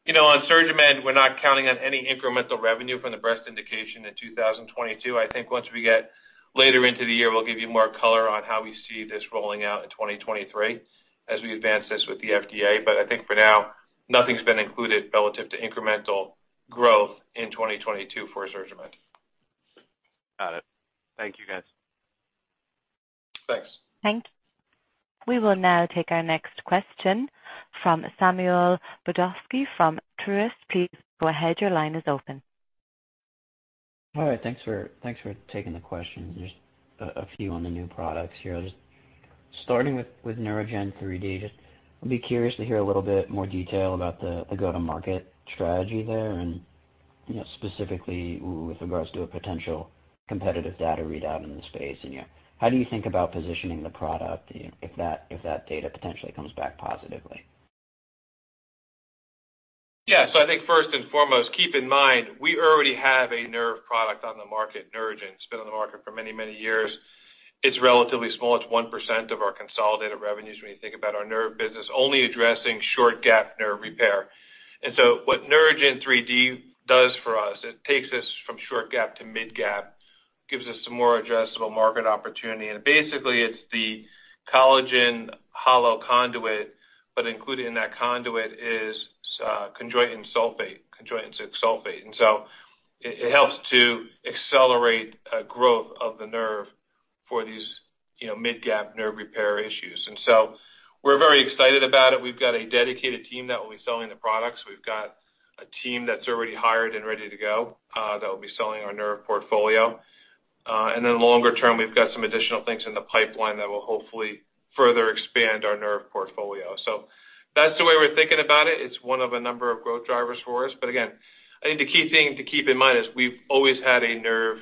You know, on SurgiMend, we're not counting on any incremental revenue from the breast indication in 2022. I think once we get later into the year, we'll give you more color on how we see this rolling out in 2023 as we advance this with the FDA. I think for now, nothing's been included relative to incremental growth in 2022 for SurgiMend. Got it. Thank you, guys. Thanks. Thank you. We will now take our next question from Samuel Brodovsky from Truist. Please go ahead. Your line is open. All right. Thanks for taking the question. Just a few on the new products here. Just starting with NeuraGen 3D, I'd be curious to hear a little bit more detail about the go-to-market strategy there and, you know, specifically with regards to a potential competitive data readout in the space. Yeah, how do you think about positioning the product if that data potentially comes back positively? Yeah. I think first and foremost, keep in mind, we already have a nerve product on the market, NeuraGen. It's been on the market for many, many years. It's relatively small. It's 1% of our consolidated revenues when you think about our nerve business, only addressing short gap nerve repair. What NeuraGen 3D does for us, it takes us from short gap to mid gap, gives us some more addressable market opportunity. Basically, it's the collagen hollow conduit, but included in that conduit is chondroitin sulfate. It helps to accelerate growth of the nerve for these, you know, mid gap nerve repair issues. We're very excited about it. We've got a dedicated team that will be selling the products. We've got a team that's already hired and ready to go, that will be selling our nerve portfolio. And then longer term, we've got some additional things in the pipeline that will hopefully further expand our nerve portfolio. That's the way we're thinking about it. It's one of a number of growth drivers for us. Again, I think the key thing to keep in mind is we've always had a nerve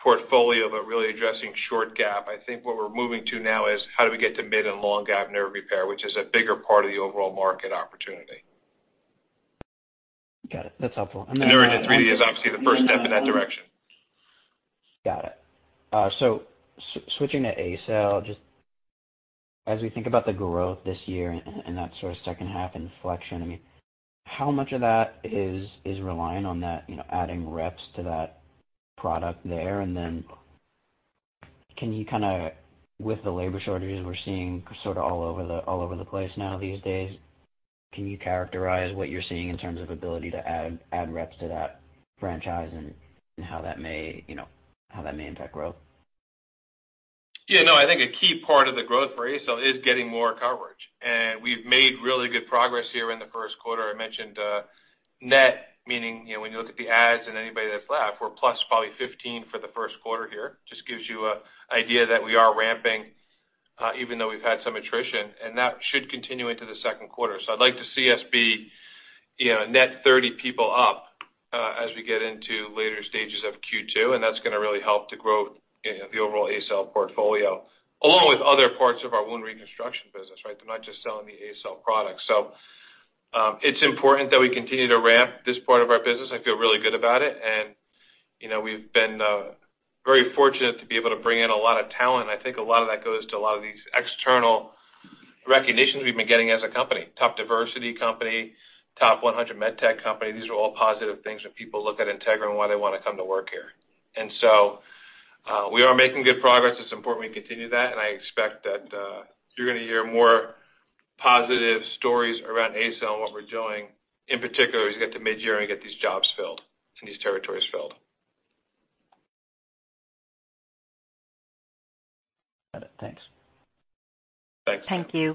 portfolio, but really addressing short gap. I think what we're moving to now is how do we get to mid and long gap nerve repair, which is a bigger part of the overall market opportunity. Got it. That's helpful. I'm gonna- NeuraGen 3D is obviously the first step in that direction. Got it. Switching to ACell, just as we think about the growth this year and that sort of second half inflection, I mean, how much of that is relying on that, you know, adding reps to that product there? And then can you kind of, with the labor shortages we're seeing sort of all over the place now these days, characterize what you're seeing in terms of ability to add reps to that franchise and how that may, you know, how that may impact growth? Yeah, no, I think a key part of the growth for ACell is getting more coverage. We've made really good progress here in the first quarter. I mentioned, net, meaning, you know, when you look at the adds and anybody that's left, we're plus probably 15 for the first quarter here. Just gives you an idea that we are ramping, even though we've had some attrition, and that should continue into the second quarter. I'd like to see us be, you know, net 30 people up, as we get into later stages of Q2, and that's going to really help to grow, you know, the overall ACell portfolio, along with other parts of our wound reconstruction business, right? They're not just selling the ACell product. It's important that we continue to ramp this part of our business. I feel really good about it. You know, we've been very fortunate to be able to bring in a lot of talent. I think a lot of that goes to a lot of these external recognitions we've been getting as a company. Top diversity company, top 100 med tech company. These are all positive things when people look at Integra and why they want to come to work here. We are making good progress. It's important we continue that, and I expect that you're going to hear more positive stories around ACell and what we're doing, in particular, as we get to midyear and get these jobs filled and these territories filled. Got it. Thanks. Thanks. Thank you.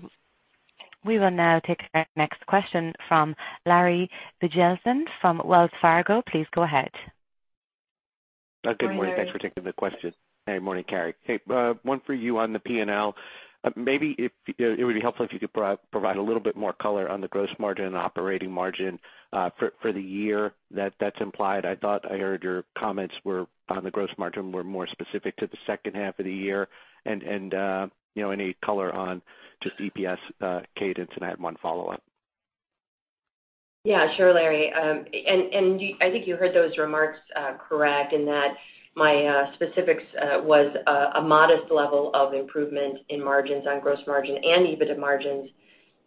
We will now take our next question from Larry Biegelsen from Wells Fargo. Please go ahead. Good morning. Thanks for taking the question. Hey, morning, Carrie. Hey, one for you on the P&L. Maybe if it would be helpful if you could provide a little bit more color on the gross margin and operating margin for the year that's implied. I thought I heard your comments on the gross margin were more specific to the second half of the year and you know, any color on just EPS cadence, and I had one follow-up. Yeah, sure, Larry. I think you heard those remarks correct in that my specifics was a modest level of improvement in margins on gross margin and EBITDA margins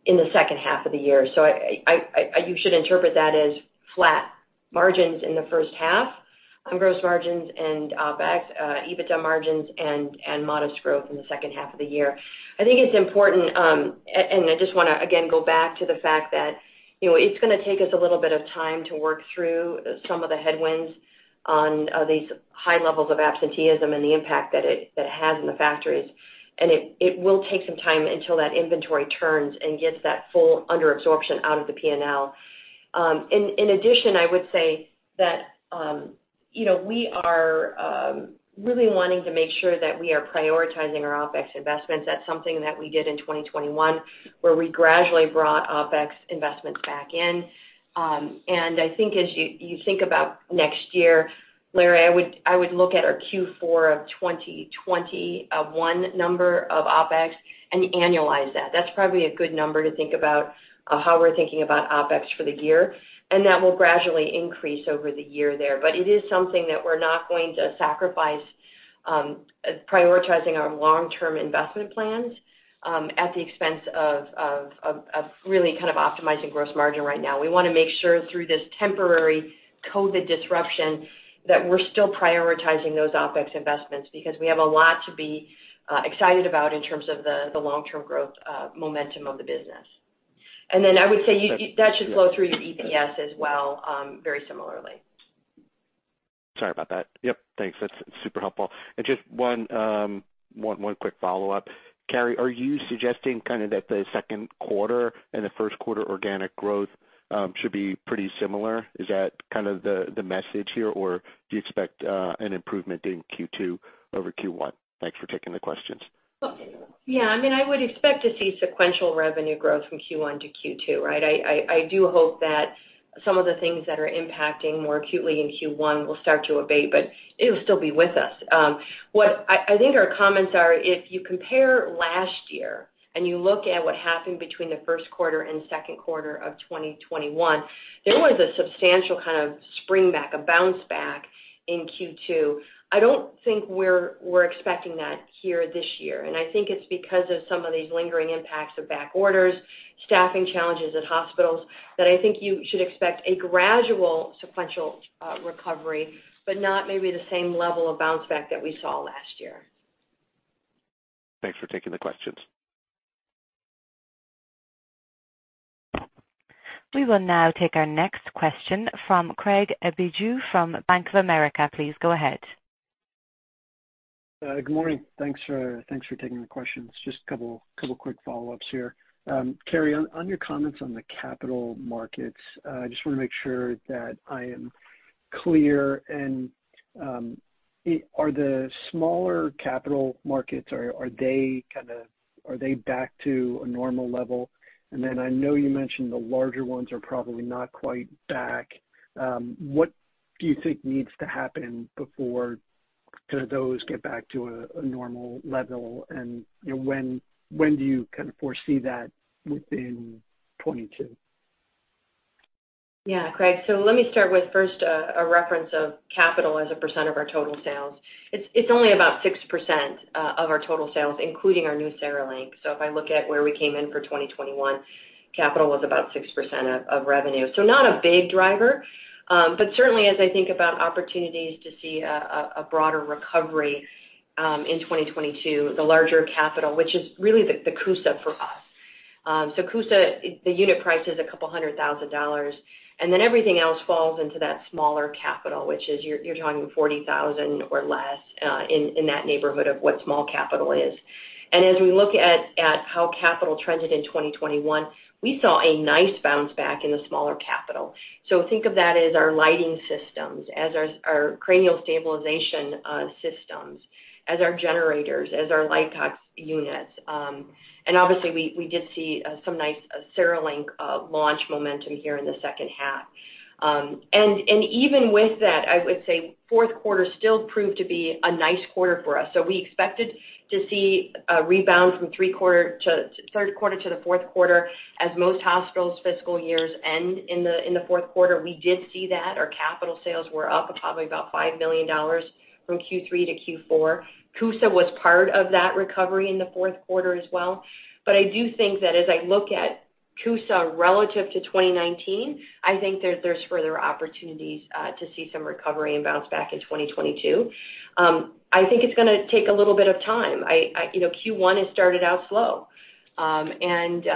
in the second half of the year. You should interpret that as flat margins in the first half on gross margins and OpEx EBITDA margins and modest growth in the second half of the year. I think it's important, and I just wanna, again, go back to the fact that, you know, it's gonna take us a little bit of time to work through some of the headwinds on these high levels of absenteeism and the impact that it has in the factories. It will take some time until that inventory turns and gets that full under absorption out of the P&L. In addition, I would say that, you know, we are really wanting to make sure that we are prioritizing our OpEx investments. That's something that we did in 2021, where we gradually brought OpEx investments back in. I think as you think about next year, Larry, I would look at our Q4 of 2021 number of OpEx and annualize that. That's probably a good number to think about, how we're thinking about OpEx for the year, and that will gradually increase over the year there. It is something that we're not going to sacrifice prioritizing our long-term investment plans at the expense of really kind of optimizing gross margin right now. We wanna make sure through this temporary COVID disruption that we're still prioritizing those OpEx investments because we have a lot to be excited about in terms of the long-term growth momentum of the business. I would say that should flow through to EPS as well, very similarly. Sorry about that. Yep. Thanks. That's super helpful. Just one quick follow-up. Carrie, are you suggesting kind of that the second quarter and the first quarter organic growth should be pretty similar? Is that kind of the message here, or do you expect an improvement in Q2 over Q1? Thanks for taking the questions. Well, yeah. I mean, I would expect to see sequential revenue growth from Q1 to Q2, right? I do hope that some of the things that are impacting more acutely in Q1 will start to abate, but it'll still be with us. What I think our comments are if you compare last year and you look at what happened between the first quarter and second quarter of 2021, there was a substantial kind of spring back, a bounce back in Q2. I don't think we're expecting that here this year. I think it's because of some of these lingering impacts of back orders, staffing challenges at hospitals, that I think you should expect a gradual sequential recovery, but not maybe the same level of bounce back that we saw last year. Thanks for taking the questions. We will now take our next question from Craig Bijou from Bank of America. Please go ahead. Good morning. Thanks for taking the questions. Just a couple quick follow-ups here. Carrie, on your comments on the capital markets, I just wanna make sure that I am clear. Are the smaller capital markets, are they back to a normal level? And then I know you mentioned the larger ones are probably not quite back. What do you think needs to happen before those get back to a normal level? You know, when do you kind of foresee that within 2022? Yeah, Craig. Let me start with first, a reference of capital as a percent of our total sales. It's only about 6% of our total sales, including our new CereLink. If I look at where we came in for 2021, capital was about 6% of revenue. Not a big driver. But certainly as I think about opportunities to see a broader recovery in 2022, the larger capital, which is really the CUSA for us. CUSA, the unit price is $200,000, and then everything else falls into that smaller capital, which is you're talking $40,000 or less in that neighborhood of what small capital is. As we look at how capital trended in 2021, we saw a nice bounce back in the smaller capital. Think of that as our lighting systems, as our cranial stabilization systems, as our generators, as our Luxtec units. Obviously we did see some nice CereLink launch momentum here in the second half. Even with that, I would say fourth quarter still proved to be a nice quarter for us. We expected to see a rebound from third quarter to the fourth quarter as most hospitals' fiscal years end in the fourth quarter. We did see that. Our capital sales were up probably about $5 million from Q3 to Q4. CUSA was part of that recovery in the fourth quarter as well. I do think that as I look at CUSA relative to 2019, I think there's further opportunities to see some recovery and bounce back in 2022. I think it's gonna take a little bit of time. You know, Q1 has started out slow. And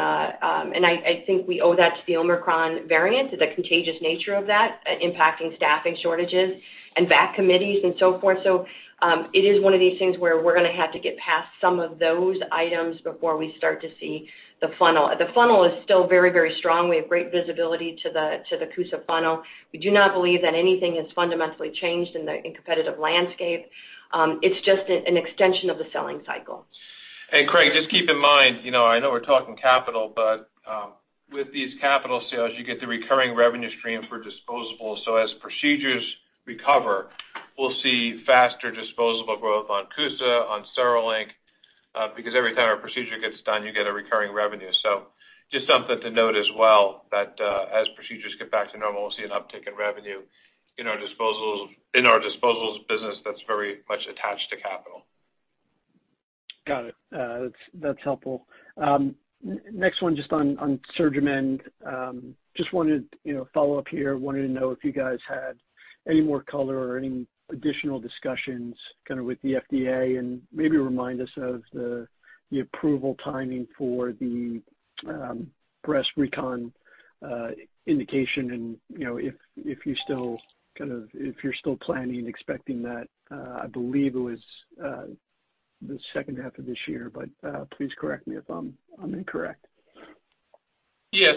I think we owe that to the Omicron variant and the contagious nature of that impacting staffing shortages and VAC committees and so forth. It is one of these things where we're gonna have to get past some of those items before we start to see the funnel. The funnel is still very, very strong. We have great visibility to the CUSA funnel. We do not believe that anything has fundamentally changed in the competitive landscape. It's just an extension of the selling cycle. Craig, just keep in mind, you know, I know we're talking capital, but with these capital sales, you get the recurring revenue stream for disposables. As procedures recover, we'll see faster disposable growth on CUSA, on CereLink, because every time a procedure gets done, you get a recurring revenue. Just something to note as well, that as procedures get back to normal, we'll see an uptick in revenue in our disposables, in our disposables business that's very much attached to capital. Got it. That's helpful. Next one just on SurgiMend. Just wanted, you know, follow up here. Wanted to know if you guys had any more color or any additional discussions kind of with the FDA, and maybe remind us of the approval timing for the breast recon indication and, you know, if you're still planning and expecting that, I believe it was the second half of this year, but please correct me if I'm incorrect. Yeah.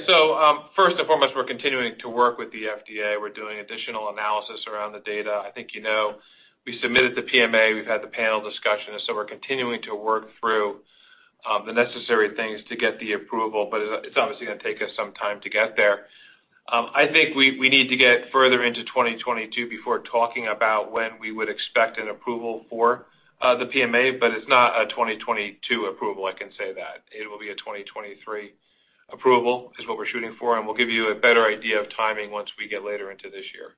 First and foremost, we're continuing to work with the FDA. We're doing additional analysis around the data. I think you know we submitted the PMA, we've had the panel discussion, and so we're continuing to work through the necessary things to get the approval, but it's obviously going to take us some time to get there. I think we need to get further into 2022 before talking about when we would expect an approval for the PMA, but it's not a 2022 approval, I can say that. It will be a 2023 approval, is what we're shooting for, and we'll give you a better idea of timing once we get later into this year.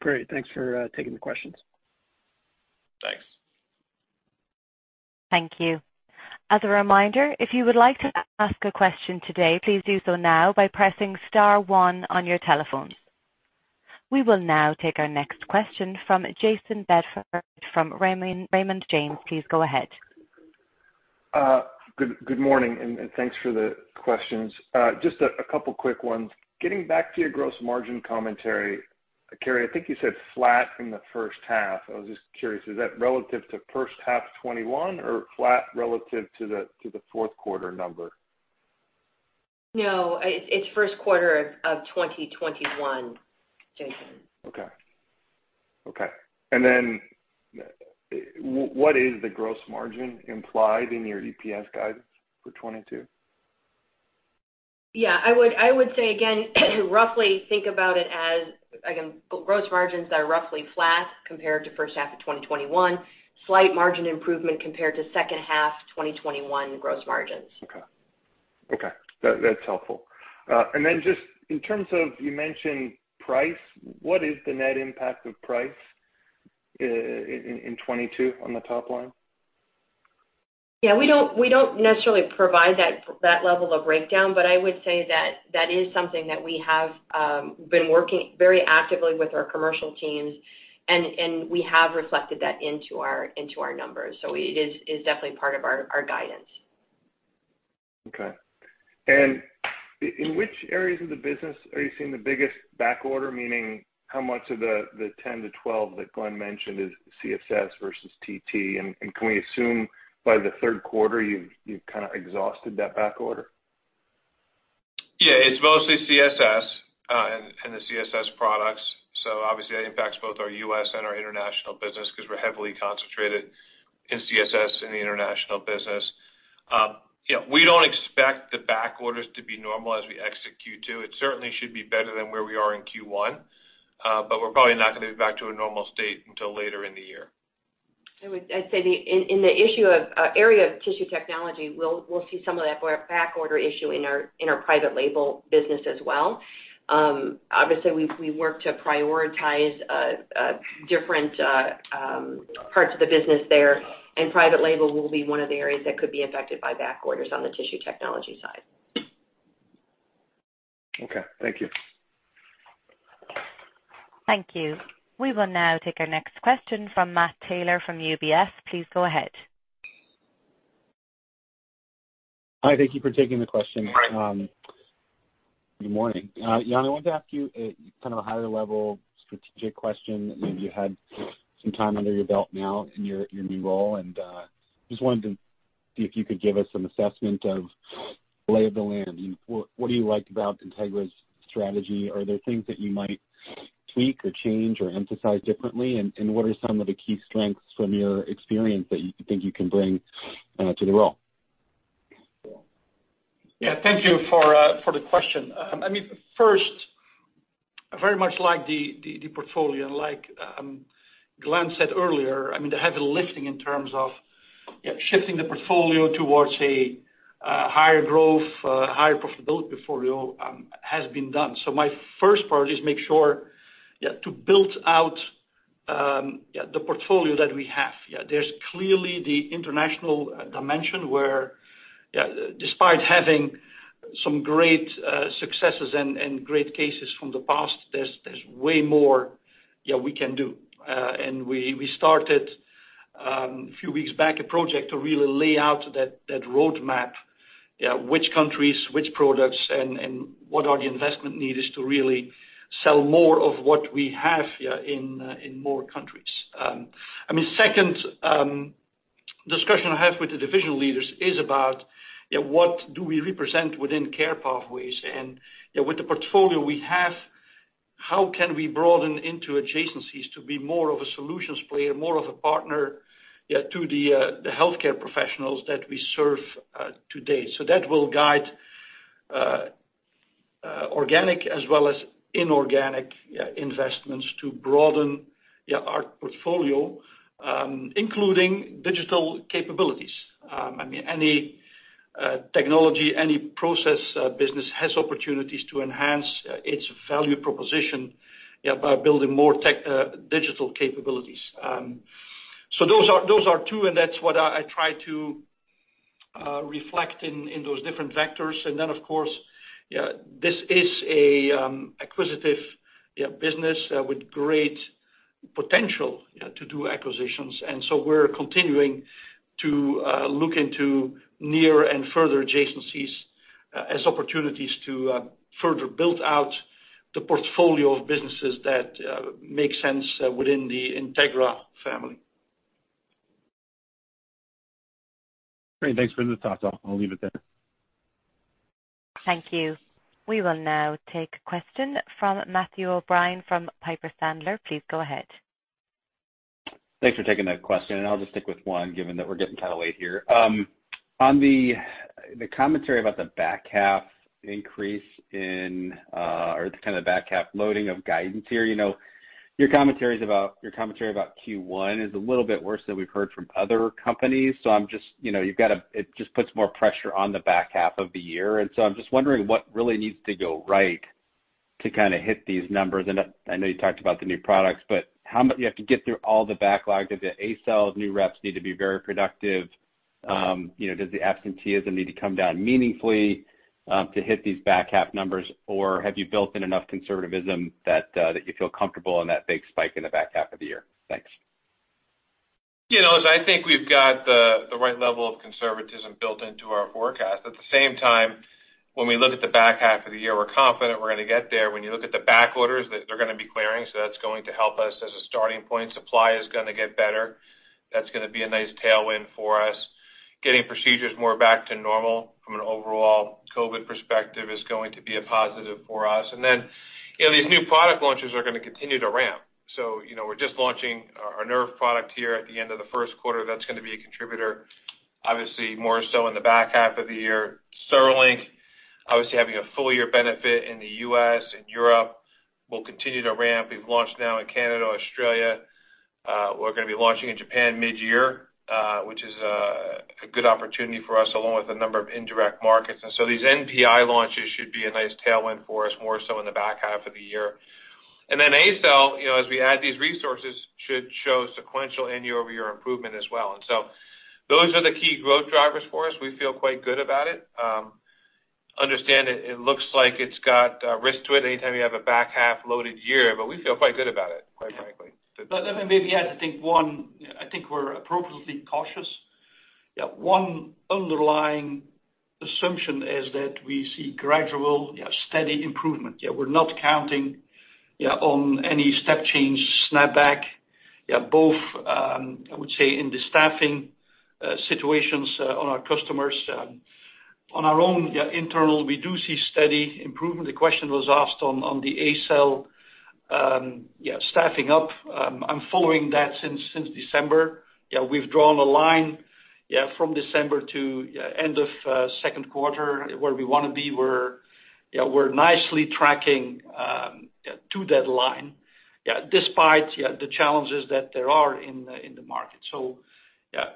Great. Thanks for taking the questions. Thanks. Thank you. As a reminder, if you would like to ask a question today, please do so now by pressing star one on your telephones. We will now take our next question from Jayson Bedford from Raymond James. Please go ahead. Good morning, and thanks for the questions. Just a couple quick ones. Getting back to your gross margin commentary, Carrie, I think you said flat in the first half. I was just curious, is that relative to first half 2021 or flat relative to the fourth quarter number? No, it's first quarter of 2021, Jayson. What is the gross margin implied in your EPS guidance for 2022? Yeah, I would say again, to roughly think about it as, again, gross margins are roughly flat compared to first half of 2021. Slight margin improvement compared to second half 2021 gross margins. Okay. Okay. That, that's helpful. Just in terms of, you mentioned price. What is the net impact of price in 2022 on the top line? Yeah, we don't necessarily provide that level of breakdown, but I would say that is something that we have been working very actively with our commercial teams and we have reflected that into our numbers. It is definitely part of our guidance. Okay. In which areas of the business are you seeing the biggest back order? Meaning how much of the 10-12 that Glenn mentioned is CSS versus TT, and can we assume by the third quarter, you've kind of exhausted that back order? Yeah. It's mostly CSS and the CSS products. Obviously that impacts both our U.S. and our international business because we're heavily concentrated in CSS in the international business. Yeah, we don't expect the back orders to be normal as we exit Q2. It certainly should be better than where we are in Q1. We're probably not going to be back to a normal state until later in the year. I'd say in the area of Tissue Technologies, we'll see some of that back order issue in our private label business as well. Obviously we work to prioritize different parts of the business there, and private label will be one of the areas that could be affected by back orders on the Tissue Technologies side. Okay, thank you. Thank you. We will now take our next question from Matt Taylor from UBS. Please go ahead. Hi, thank you for taking the question. Right. Good morning. Jan, I wanted to ask you a kind of a higher level strategic question. I know you had some time under your belt now in your new role, and just wanted to see if you could give us some assessment of lay of the land. I mean, what do you like about Integra's strategy? Are there things that you might tweak or change or emphasize differently? What are some of the key strengths from your experience that you think you can bring to the role? Thank you for the question. I mean, first, I very much like the portfolio, like Glenn said earlier. I mean, the heavy lifting in terms of shifting the portfolio towards a higher growth, higher profitability portfolio has been done. My first priority is to make sure to build out the portfolio that we have. There's clearly the international dimension where, despite having some great successes and great cases from the past, there's way more we can do. We started a few weeks back a project to really lay out that roadmap, which countries, which products and what are the investment needs to really sell more of what we have in more countries. I mean, second discussion I have with the divisional leaders is about, you know, what do we represent within care pathways? You know, with the portfolio we have, how can we broaden into adjacencies to be more of a solutions player, more of a partner to the healthcare professionals that we serve today. That will guide organic as well as inorganic investments to broaden our portfolio, including digital capabilities. I mean, any technology, any process or business has opportunities to enhance its value proposition by building more digital capabilities. Those are two, and that's what I try to reflect in those different vectors. Of course, this is an acquisitive business with great potential to do acquisitions. We're continuing to look into near and further adjacencies as opportunities to further build out the portfolio of businesses that make sense within the Integra family. Great. Thanks for the thoughts. I'll leave it there. Thank you. We will now take a question from Matthew O'Brien from Piper Sandler. Please go ahead. Thanks for taking the question, and I'll just stick with one, given that we're getting kinda late here. On the commentary about the back half increase in or the kinda the back half loading of guidance here, you know, your commentary about Q1 is a little bit worse than we've heard from other companies. I'm just, you know, it just puts more pressure on the back half of the year. I'm just wondering what really needs to go right to kinda hit these numbers. I know you talked about the new products, but how much do you have to get through all the backlogs? Does the ACell new reps need to be very productive? Does the absenteeism need to come down meaningfully to hit these back half numbers? Have you built in enough conservatism that you feel comfortable in that big spike in the back half of the year? Thanks. You know, I think we've got the right level of conservatism built into our forecast. At the same time, when we look at the back half of the year, we're confident we're gonna get there. When you look at the back orders, that they're gonna be clearing, so that's going to help us as a starting point. Supply is gonna get better. That's gonna be a nice tailwind for us. Getting procedures more back to normal from an overall COVID perspective is going to be a positive for us. You know, these new product launches are gonna continue to ramp. You know, we're just launching our nerve product here at the end of the first quarter. That's gonna be a contributor, obviously, more so in the back half of the year. CereLink, obviously, having a full year benefit in the U.S. and Europe, will continue to ramp. We've launched now in Canada, Australia. We're gonna be launching in Japan midyear, which is a good opportunity for us, along with a number of indirect markets. These NPI launches should be a nice tailwind for us, more so in the back half of the year. ACell, you know, as we add these resources, should show sequential and year-over-year improvement as well. Those are the key growth drivers for us. We feel quite good about it. I understand it looks like it's got risk to it anytime you have a back half loaded year, but we feel quite good about it, quite frankly. Let me maybe add, I think we're appropriately cautious. One underlying assumption is that we see gradual steady improvement. We're not counting on any step change snapback. Both, I would say in the staffing situations on our customers. On our own, yeah, internal, we do see steady improvement. The question was asked on the ACell staffing up. I'm following that since December. We've drawn a line from December to end of second quarter where we wanna be. We're nicely tracking to that line despite the challenges that there are in the market. Yeah.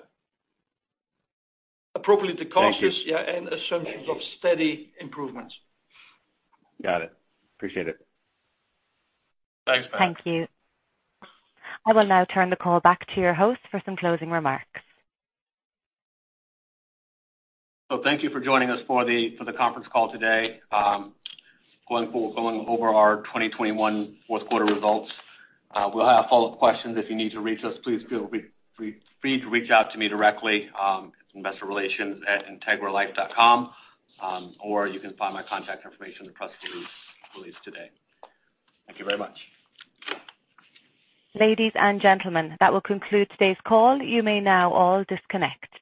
Appropriately cautious. Thank you. Yeah, assumptions of steady improvements. Got it. Appreciate it. Thanks, Matt. Thank you. I will now turn the call back to your host for some closing remarks. Thank you for joining us for the conference call today going over our 2021 fourth quarter results. We'll have follow-up questions if you need to reach us. Please feel free to reach out to me directly at investorrelations@integralife.com, or you can find my contact information in the press release today. Thank you very much. Ladies and gentlemen, that will conclude today's call. You may now all disconnect.